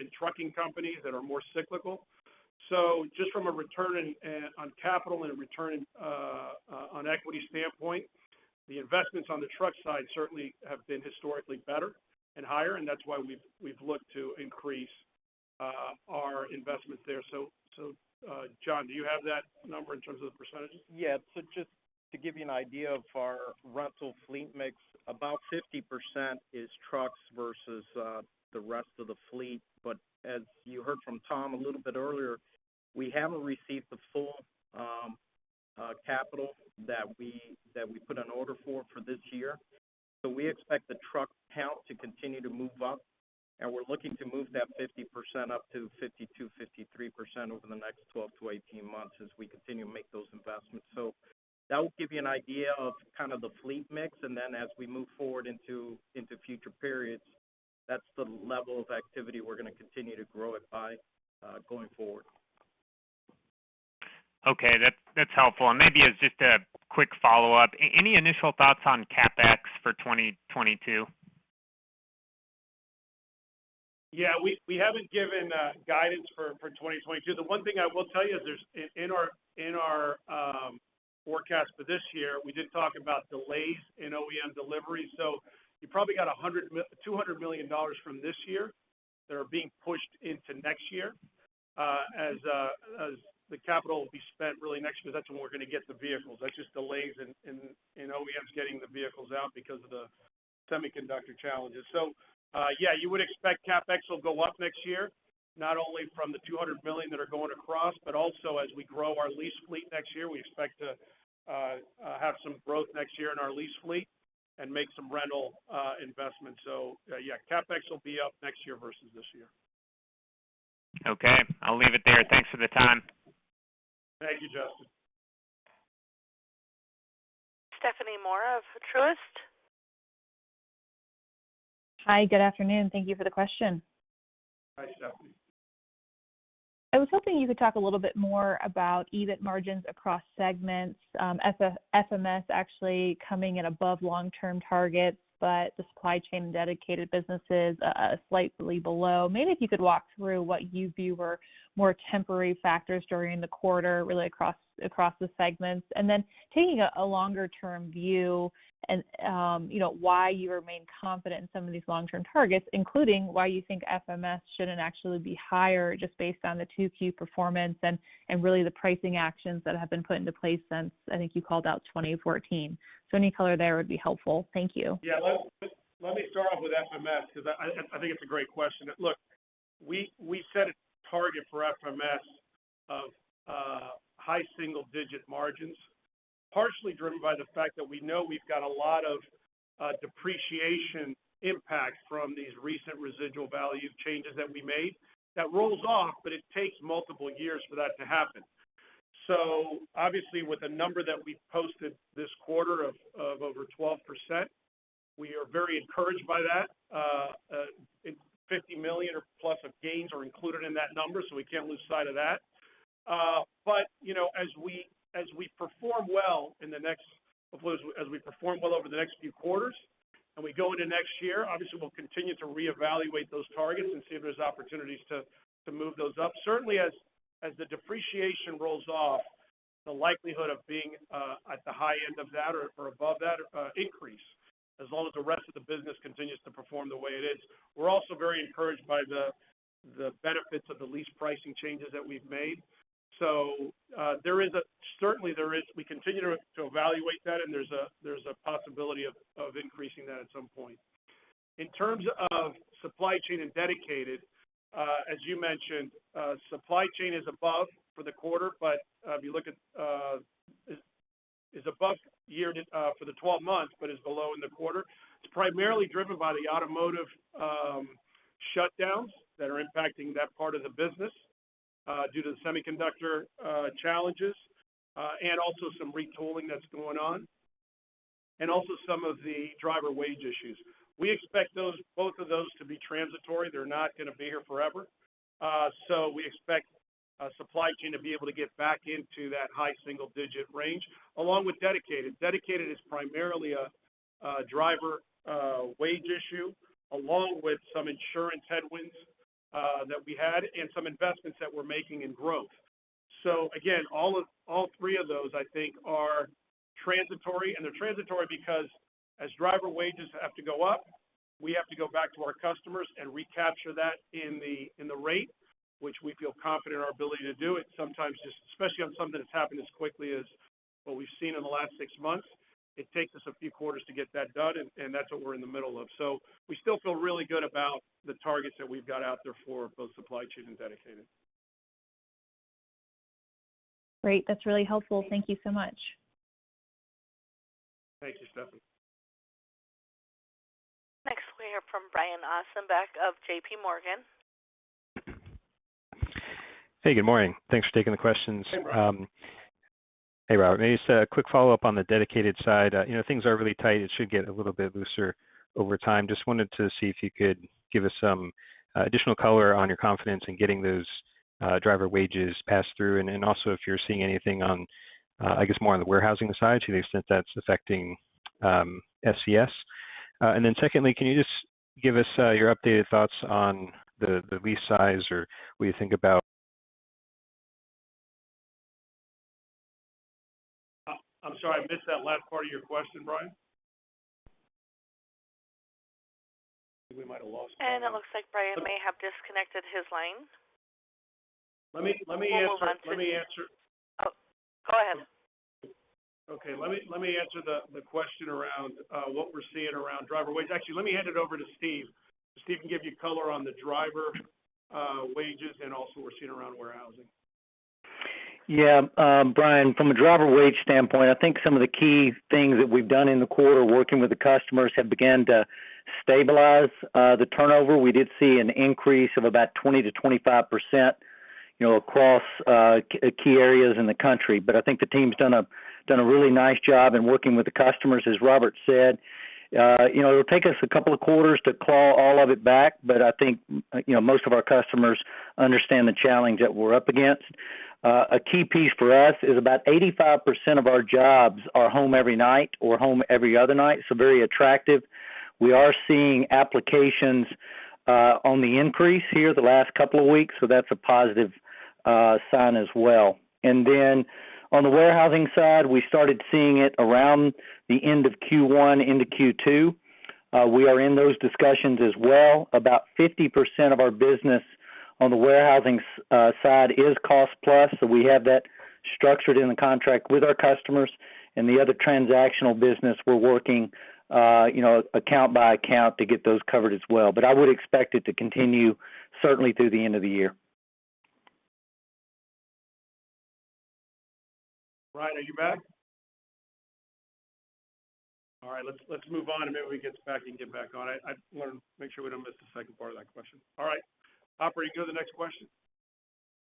and trucking companies that are more cyclical. Just from a return on capital and a return on equity standpoint, the investments on the truck side certainly have been historically better and higher, and that's why we've looked to increase our investment there. John, do you have that number in terms of the percentages? Just to give you an idea of our rental fleet mix, about 50% is trucks versus the rest of the fleet. As you heard from Tom a little bit earlier, we haven't received the full capital that we put an order for this year. We expect the truck count to continue to move up, and we're looking to move that 50% up to 52%, 53% over the next 12-18 months as we continue to make those investments. That will give you an idea of the fleet mix, as we move forward into future periods, that's the level of activity we're going to continue to grow it by going forward. Okay. That's helpful. Maybe as just a quick follow-up, any initial thoughts on CapEx for 2022? Yeah. We haven't given guidance for 2022. The one thing I will tell you is in our forecast for this year, we did talk about delays in OEM delivery. You probably got $200 million from this year that are being pushed into next year as the capital will be spent really next year. That's when we're going to get the vehicles. That's just delays in OEMs getting the vehicles out because of the semiconductor challenges. Yeah, you would expect CapEx will go up next year, not only from the $200 million that are going across, but also as we grow our lease fleet next year. We expect to have some growth next year in our lease fleet and make some rental investments. Yeah, CapEx will be up next year versus this year. Okay. I'll leave it there. Thanks for the time. Thank you, Justin. Stephanie Moore of Truist. Hi. Good afternoon. Thank you for the question. Hi, Stephanie. I was hoping you could talk a little bit more about EBIT margins across segments. FMS actually coming in above long-term targets, but the supply chain and dedicated businesses are slightly below. Maybe if you could walk through what you view were more temporary factors during the quarter, really across the segments. Taking a longer-term view and why you remain confident in some of these long-term targets, including why you think FMS shouldn't actually be higher just based on the 2Q performance and really the pricing actions that have been put into place since, I think you called out 2014. Any color there would be helpful. Thank you. Yeah. Let me start off with FMS, because I think it's a great question. Look, we set a target for FMS of high single-digit margins, partially driven by the fact that we know we've got a lot of depreciation impact from these recent residual value changes that we made. That rolls off, but it takes multiple years for that to happen. Obviously with the number that we posted this quarter of over 12%, we are very encouraged by that. $50 million or plus of gains are included in that number. We can't lose sight of that. As we perform well over the next few quarters and we go into next year, obviously, we'll continue to reevaluate those targets and see if there's opportunities to move those up. Certainly as the depreciation rolls off, the likelihood of being at the high end of that or above that increase, as long as the rest of the business continues to perform the way it is. We're also very encouraged by the benefits of the lease pricing changes that we've made. Certainly, we continue to evaluate that, and there's a possibility of increasing that at some point. In terms of Supply Chain and Dedicated, as you mentioned, Supply Chain is above for the quarter, but is above for the 12 months but is below in the quarter. It's primarily driven by the automotive shutdowns that are impacting that part of the business due to the semiconductor challenges and also some retooling that's going on. Also some of the driver wage issues. We expect both of those to be transitory. They're not going to be here forever. We expect Supply Chain to be able to get back into that high single-digit range, along with Dedicated. Dedicated is primarily a driver wage issue, along with some insurance headwinds that we had and some investments that we're making in growth. Again, all three of those, I think, are transitory. They're transitory because as driver wages have to go up, we have to go back to our customers and recapture that in the rate, which we feel confident in our ability to do. Sometimes, especially on something that's happened as quickly as what we've seen in the last 6 months, it takes us a few quarters to get that done, and that's what we're in the middle of. We still feel really good about the targets that we've got out there for both Supply Chain and Dedicated. Great. That's really helpful. Thank you so much. Thank you, Stephanie. Next we hear from Brian Ossenbeck of JPMorgan. Hey, good morning. Thanks for taking the questions. Hey, Brian. Hey, Robert. Maybe just a quick follow-up on the dedicated side. Things are really tight. It should get a little bit looser over time. Just wanted to see if you could give us some additional color on your confidence in getting those driver wages passed through, and then also if you're seeing anything on, I guess, more on the warehousing side, to the extent that's affecting SCS. Secondly, can you just give us your updated thoughts on the lease size? I'm sorry, I missed that last part of your question, Brian. I think we might have lost Brian. It looks like Brian may have disconnected his line. Let me answer- We'll hold one second. Oh, go ahead. Okay. Let me answer the question around what we're seeing around driver wages. Actually, let me hand it over to Steve. Steve can give you color on the driver wages and also we're seeing around warehousing. Yeah. Brian, from a driver wage standpoint, I think some of the key things that we've done in the quarter working with the customers have began to stabilize the turnover. We did see an increase of about 20%-25% across key areas in the country. I think the team's done a really nice job in working with the customers, as Robert said. It'll take us a couple of quarters to claw all of it back, I think most of our customers understand the challenge that we're up against. A key piece for us is about 85% of our jobs are home every night or home every other night. Very attractive. We are seeing applications on the increase here the last couple of weeks, That's a positive sign as well. On the warehousing side, we started seeing it around the end of Q1 into Q2. We are in those discussions as well. About 50% of our business on the warehousing side is cost plus. We have that structured in the contract with our customers, and the other transactional business we're working account by account to get those covered as well. I would expect it to continue certainly through the end of the year. Brian, are you back? All right. Let's move on, maybe when he gets back, he can get back on it. I want to make sure we don't miss the second part of that question. All right. Operator, you can go to the next question.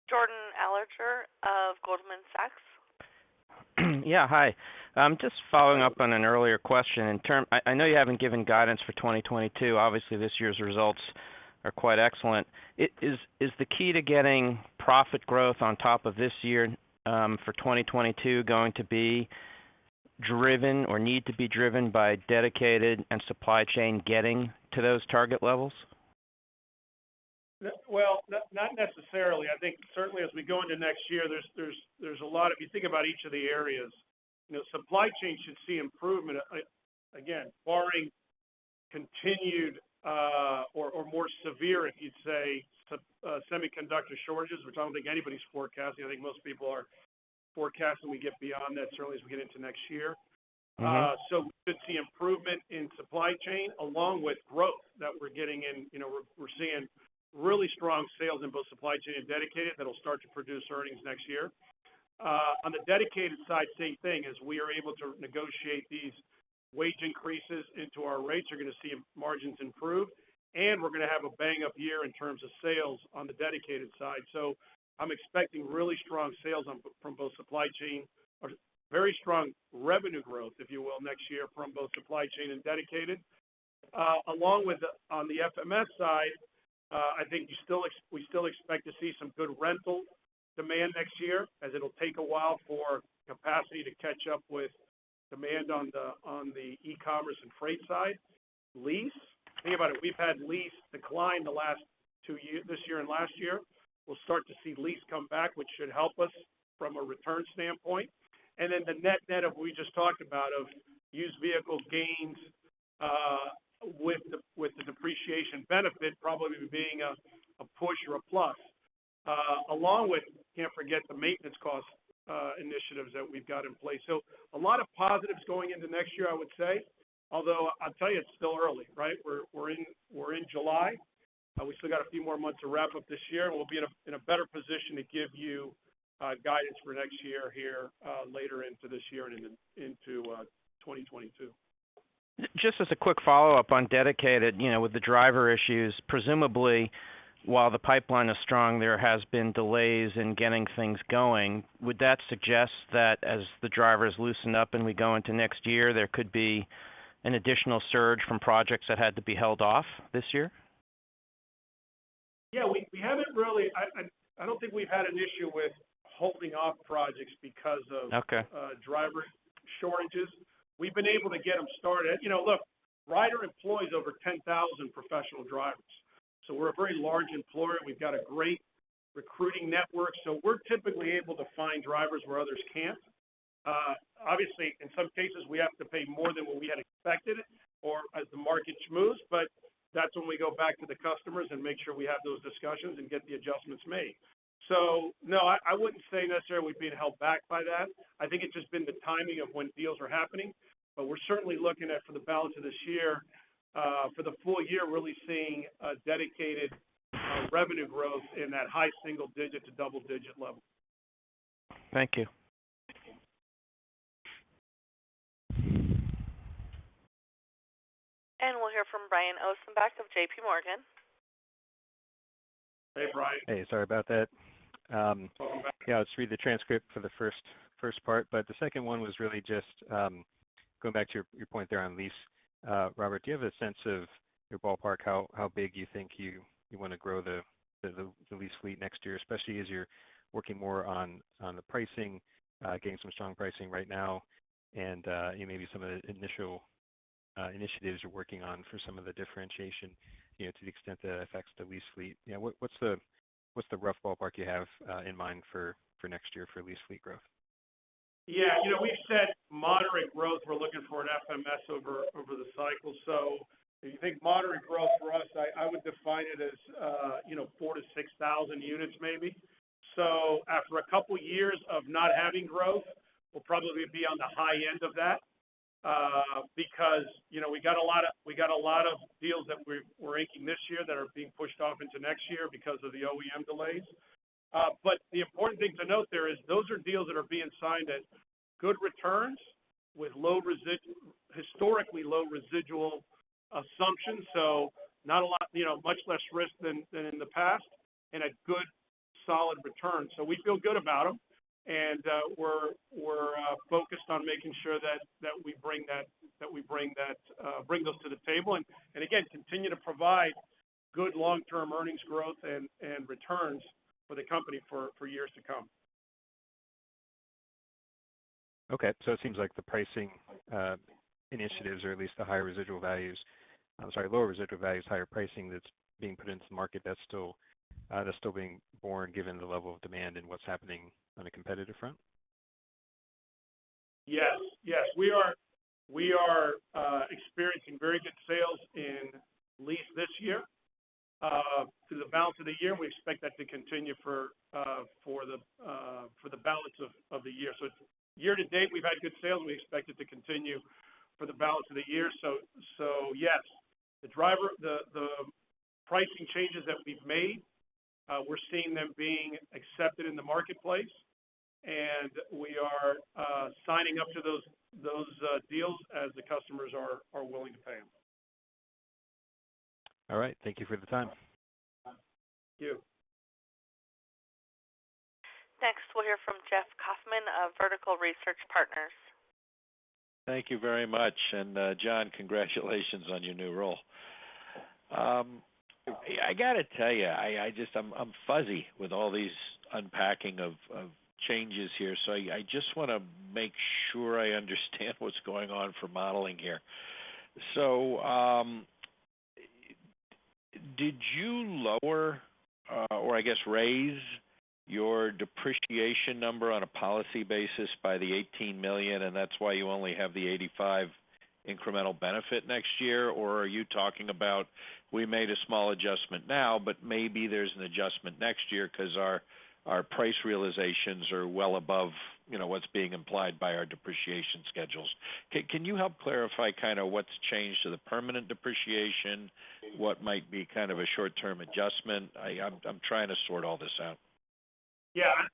Jordan Alliger of Goldman Sachs. Yeah, hi. Just following up on an earlier question. I know you haven't given guidance for 2022. Obviously, this year's results are quite excellent. Is the key to getting profit growth on top of this year, for 2022, going to be driven or need to be driven by dedicated and supply chain getting to those target levels? Well, not necessarily. I think certainly as we go into next year, there's a lot. If you think about each of the areas, Supply Chain should see improvement. Again, barring continued or more severe, if you'd say, semiconductor shortages, which I don't think anybody's forecasting. I think most people are forecasting we get beyond that certainly as we get into next year. We should see improvement in Supply Chain along with growth that we're getting in. We're seeing really strong sales in both Supply Chain and Dedicated that'll start to produce earnings next year. On the Dedicated side, same thing. As we are able to negotiate these wage increases into our rates, you're going to see margins improve, and we're going to have a bang-up year in terms of sales on the Dedicated side. I'm expecting really strong sales from both Supply Chain, or very strong revenue growth, if you will, next year from both Supply Chain and Dedicated. Along with on the FMS side, I think we still expect to see some good rental demand next year as it'll take a while for capacity to catch up with demand on the e-commerce and freight side. Lease. Think about it. We've had lease decline this year and last year. We'll start to see lease come back, which should help us from a return standpoint. Then the net-net of we just talked about, of used vehicle gains with the depreciation benefit probably being a push or a plus. Along with, can't forget the maintenance cost initiatives that we've got in place. A lot of positives going into next year, I would say, although I'll tell you it's still early, right? We're in July. We still got a few more months to wrap up this year, and we'll be in a better position to give you guidance for next year here later into this year and into 2022. Just as a quick follow-up on Dedicated, with the driver issues, presumably while the pipeline is strong, there has been delays in getting things going. Would that suggest that as the drivers loosen up and we go into next year, there could be an additional surge from projects that had to be held off this year? Yeah, I don't think we've had an issue with holding off projects because of. Okay driver shortages. We've been able to get them started. Look, Ryder employs over 10,000 professional drivers. We're a very large employer. We've got a great recruiting network. We're typically able to find drivers where others can't. Obviously, in some cases, we have to pay more than what we had expected or as the market moves, that's when we go back to the customers and make sure we have those discussions and get the adjustments made. No, I wouldn't say necessarily we've been held back by that. I think it's just been the timing of when deals are happening. We're certainly looking at, for the balance of this year, for the full year really seeing a dedicated revenue growth in that high-single-digit-to-double-digit level. Thank you. We'll hear from Brian Ossenbeck of JPMorgan. Hey, Brian. Hey, sorry about that. Welcome back. Yeah, I was reading the transcript for the first part. The second one was really just going back to your point there on lease. Robert, do you have a sense of your ballpark, how big you think you want to grow the lease fleet next year, especially as you're working more on the pricing, getting some strong pricing right now, and maybe some of the initial initiatives you're working on for some of the differentiation, to the extent that affects the lease fleet, what's the rough ballpark you have in mind for next year for lease fleet growth? Yeah. We've said moderate growth we're looking for at FMS over the cycle. If you think moderate growth for us, I would define it as 4,000-6,000 units maybe. Because we got a lot of deals that we're inking this year that are being pushed off into next year because of the OEM delays. The important thing to note there is those are deals that are being signed at good returns with historically low residual assumptions. Much less risk than in the past, and a good solid return. We feel good about them, and we're focused on making sure that we bring those to the table and again, continue to provide good long-term earnings growth and returns for the company for years to come. Okay, it seems like the pricing initiatives, or at least lower residual values, higher pricing that's being put into the market, that's still being born given the level of demand and what's happening on a competitive front? Yes. We are experiencing very good sales in lease this year. Through the balance of the year, we expect that to continue for the balance of the year. Year-to-date, we've had good sales, and we expect it to continue for the balance of the year. Yes, the pricing changes that we've made, we're seeing them being accepted in the marketplace, and we are signing up to those deals as the customers are willing to pay them. All right. Thank you for the time. Thank you. Next, we'll hear from Jeff Kauffman of Vertical Research Partners. Thank you very much. John, congratulations on your new role. I got to tell you, I'm fuzzy with all these unpacking of changes here. I just want to make sure I understand what's going on for modeling here. Did you lower, or I guess, raise your depreciation number on a policy basis by the $18 million, and that's why you only have the $85 incremental benefit next year? Are you talking about we made a small adjustment now, but maybe there's an adjustment next year because our price realizations are well above what's being implied by our depreciation schedules? Can you help clarify what's changed to the permanent depreciation, what might be a short-term adjustment? I'm trying to sort all this out.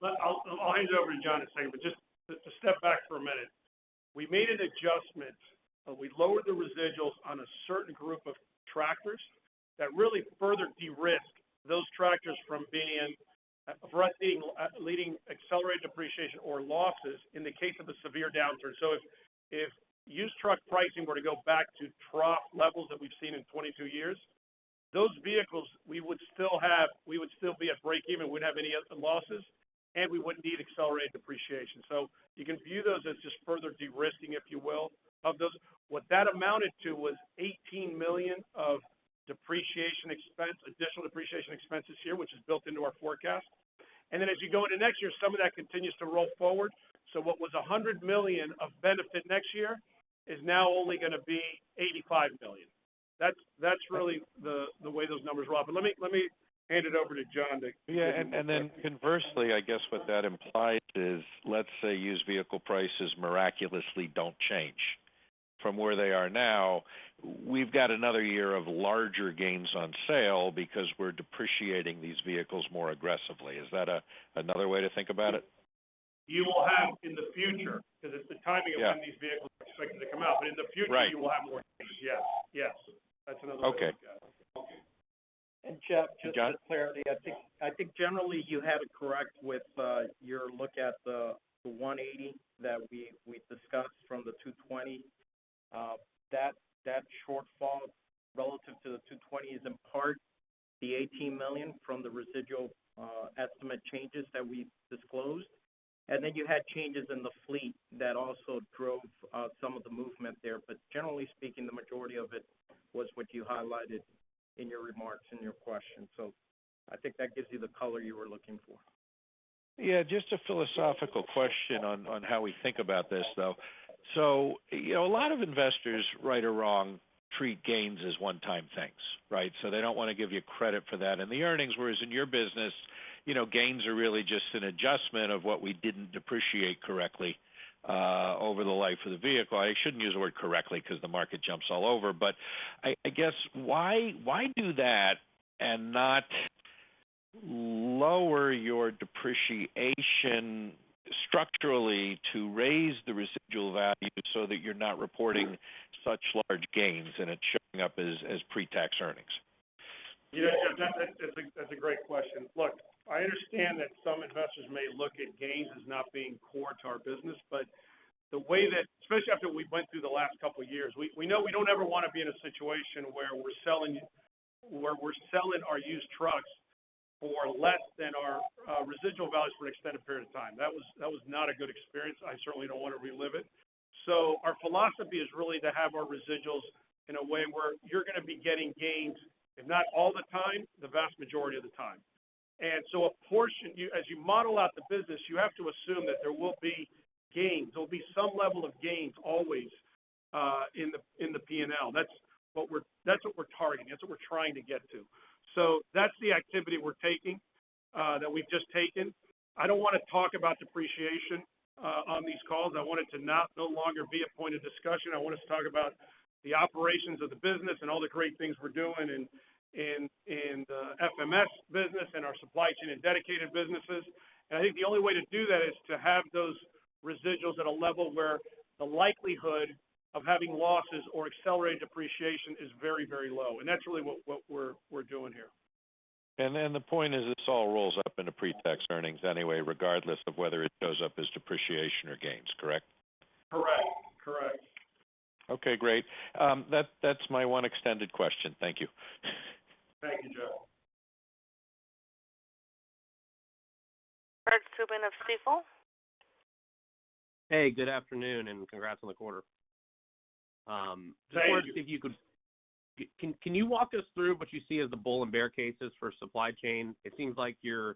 I'll hand it over to John in a second, but just to step back for a minute. We made an adjustment. We lowered the residuals on a certain group of tractors that really further de-risked those tractors from leading accelerated depreciation or losses in the case of a severe downturn. If used truck pricing were to go back to trough levels that we've seen in 22 years, those vehicles we would still be at breakeven. We wouldn't have any losses, and we wouldn't need accelerated depreciation. You can view those as just further de-risking, if you will, of those. What that amounted to was $18 million of additional depreciation expenses here, which is built into our forecast. Then as you go into next year, some of that continues to roll forward. What was $100 million of benefit next year is now only going to be $85 million. That's really the way those numbers roll up. Let me hand it over to John to. Conversely, I guess what that implies is, let's say used vehicle prices miraculously don't change from where they are now. We've got another year of larger gains on sale because we're depreciating these vehicles more aggressively. Is that another way to think about it? You will have in the future, because it's the timing of when these vehicles are expected to come out. Right you will have more gains. Yes. That's another way, yes. Okay. Jeff, just for clarity. John I think generally you have it correct with your look at the $180 million that we discussed from the $220 million. That shortfall relative to the $220 million is in part the $18 million from the residual estimate changes that we disclosed, and then you had changes in the fleet that also drove some of the movement there. Generally speaking, the majority of it was what you highlighted in your remarks, in your question. I think that gives you the color you were looking for. Yeah, just a philosophical question on how we think about this, though. A lot of investors, right or wrong, treat gains as one-time things, right? They don't want to give you credit for that in the earnings, whereas in your business, gains are really just an adjustment of what we didn't depreciate correctly over the life of the vehicle. I shouldn't use the word correctly because the market jumps all over, but I guess why do that and not lower your depreciation structurally to raise the residual value so that you're not reporting such large gains, and it's showing up as pre-tax earnings? Yeah, Jeff, that's a great question. Look, I understand that some investors may look at gains as not being core to our business. The way that, especially after we went through the last couple of years, we know we don't ever want to be in a situation where we're selling our used trucks for less than our residual values for an extended period of time. That was not a good experience. I certainly don't want to relive it. Our philosophy is really to have our residuals in a way where you're going to be getting gains, if not all the time, the vast majority of the time. As you model out the business, you have to assume that there will be gains. There'll be some level of gains always in the P&L. That's what we're targeting. That's what we're trying to get to. That's the activity we're taking, that we've just taken. I don't want to talk about depreciation on these calls. I want it to no longer be a point of discussion. I want us to talk about the operations of the business and all the great things we're doing in the FMS business, and our supply chain, and dedicated businesses. I think the only way to do that is to have those residuals at a level where the likelihood of having losses or accelerated depreciation is very, very low. That's really what we're doing here. The point is this all rolls up into pre-tax earnings anyway, regardless of whether it shows up as depreciation or gains, correct? Correct. Okay, great. That's my one extended question. Thank you. Thank you, John. Bert Subin of Stifel. Hey, good afternoon, and congrats on the quarter. Thank you. Can you walk us through what you see as the bull and bear cases for Supply Chain? It seems like you're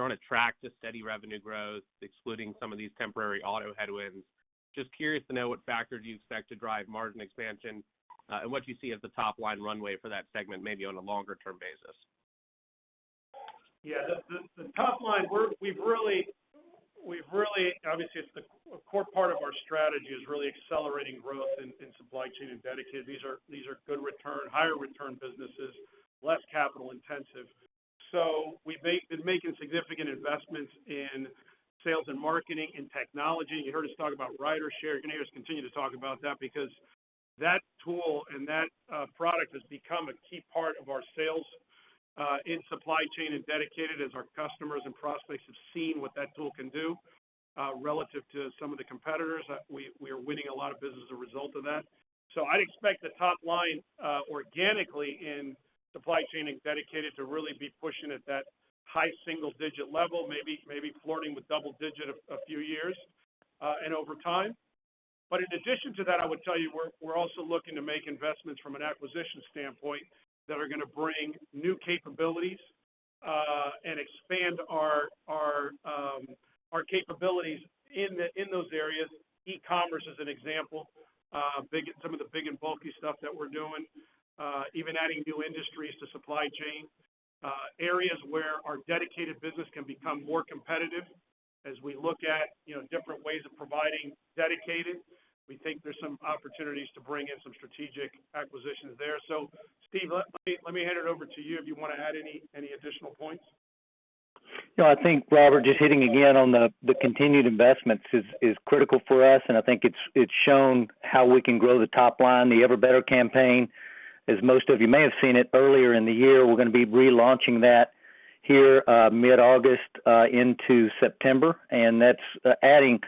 on a track to steady revenue growth, excluding some of these temporary auto headwinds. Just curious to know what factors you expect to drive margin expansion, and what you see as the top-line runway for that segment, maybe on a longer-term basis. Yeah. Obviously, it's the core part of our strategy is really accelerating growth in Supply Chain and Dedicated. These are good return, higher return businesses, less capital intensive. We've been making significant investments in sales and marketing and technology. You heard us talk about RyderShare. You're going to hear us continue to talk about that because that tool and that product has become a key part of our sales in Supply Chain and Dedicated as our customers and prospects have seen what that tool can do relative to some of the competitors. We are winning a lot of business as a result of that. I'd expect the top line, organically in Supply Chain and Dedicated to really be pushing at that high single-digit level, maybe flirting with double-digit a few years, and over time. In addition to that, I would tell you we're also looking to make investments from an acquisition standpoint that are going to bring new capabilities, and expand our capabilities in those areas. E-commerce is an example. Some of the big and bulky stuff that we're doing, even adding new industries to supply chain. Areas where our Dedicated business can become more competitive as we look at different ways of providing Dedicated. We think there's some opportunities to bring in some strategic acquisitions there. Steve, let me hand it over to you if you want to add any additional points. No, I think, Robert, just hitting again on the continued investments is critical for us, and I think it's shown how we can grow the top line, the Ever Better campaign, as most of you may have seen it earlier in the year. We're going to be relaunching that here mid-August, into September, and that's adding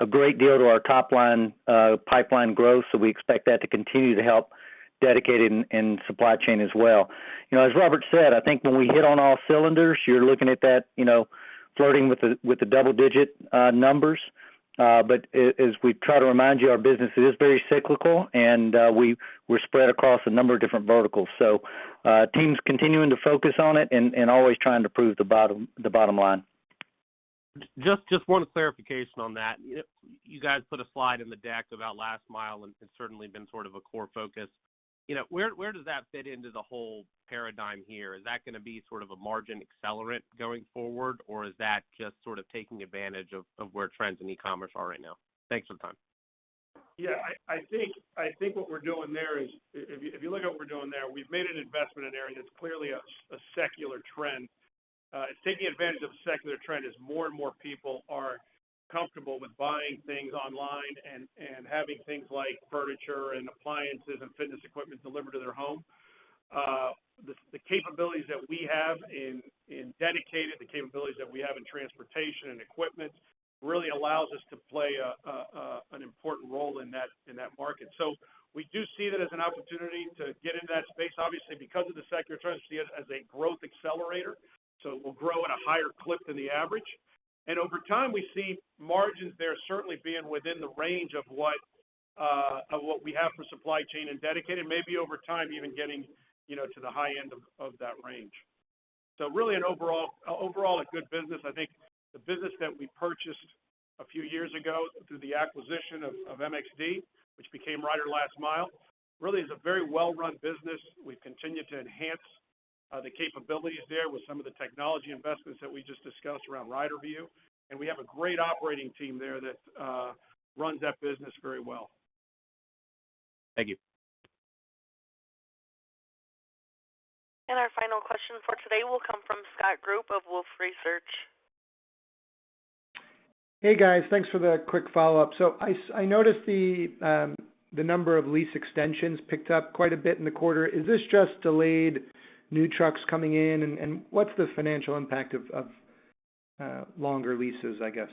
a great deal to our top line pipeline growth. We expect that to continue to help Dedicated and Supply Chain as well. As Robert said, I think when we hit on all cylinders, you're looking at that flirting with the double-digit numbers. As we try to remind you, our business is very cyclical and we're spread across a number of different verticals. Teams continuing to focus on it and always trying to prove the bottom line. Just one clarification on that. You guys put a slide in the deck about Last Mile, and it's certainly been sort of a core focus. Where does that fit into the whole paradigm here? Is that going to be sort of a margin accelerant going forward, or is that just sort of taking advantage of where trends in e-commerce are right now? Thanks for the time. Yeah, I think what we're doing there is, if you look at what we're doing there, we've made an investment in an area that's clearly a secular trend. It's taking advantage of a secular trend as more and more people are comfortable with buying things online and having things like furniture and appliances and fitness equipment delivered to their home. The capabilities that we have in Dedicated, the capabilities that we have in transportation and equipment really allows us to play an important role in that market. We do see that as an opportunity to get into that space. Obviously, because of the secular trends, we see it as a growth accelerator. It will grow at a higher clip than the average. Over time, we see margins there certainly being within the range of what we have for Supply Chain and Dedicated, maybe over time even getting to the high end of that range. Really overall, a good business. I think the business that we purchased a few years ago through the acquisition of MXD, which became Ryder Last Mile, really is a very well-run business. We've continued to enhance the capabilities there with some of the technology investments that we just discussed around RyderView. We have a great operating team there that runs that business very well. Thank you. Our final question for today will come from Scott Group of Wolfe Research. Hey, guys. Thanks for the quick follow-up. I noticed the number of lease extensions picked up quite a bit in the quarter. Is this just delayed new trucks coming in, and what's the financial impact of longer leases, I guess?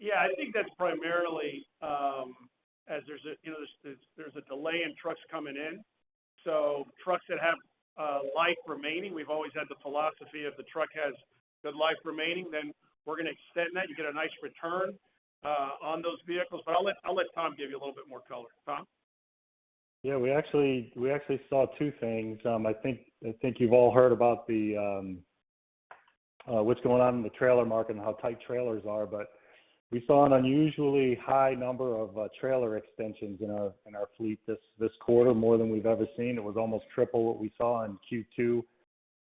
Yeah. I think that's primarily as there's a delay in trucks coming in, so trucks that have life remaining. We've always had the philosophy of the truck has good life remaining, then we're going to extend that. You get a nice return on those vehicles. I'll let Tom give you a little bit more color. Tom? Yeah, we actually saw two things. I think you've all heard about what's going on in the trailer market and how tight trailers are, but we saw an unusually high number of trailer extensions in our fleet this quarter, more than we've ever seen. It was almost triple what we saw in Q2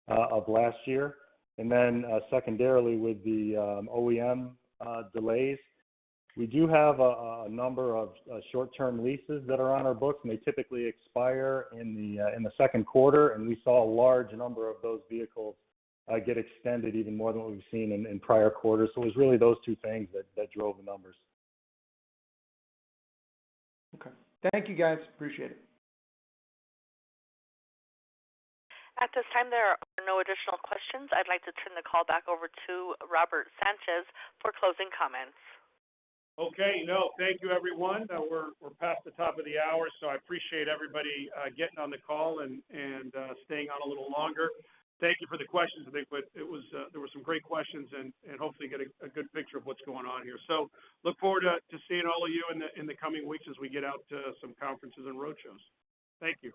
of last year. Secondarily, with the OEM delays, we do have a number of short-term leases that are on our books, and they typically expire in the second quarter, and we saw a large number of those vehicles get extended even more than what we've seen in prior quarters. It was really those two things that drove the numbers. Okay. Thank you, guys. Appreciate it. At this time, there are no additional questions. I'd like to turn the call back over to Robert Sanchez for closing comments. Okay. Thank you, everyone. We're past the top of the hour. I appreciate everybody getting on the call and staying on a little longer. Thank you for the questions. There were some great questions, and hopefully you get a good picture of what's going on here. Look forward to seeing all of you in the coming weeks as we get out to some conferences and road shows. Thank you.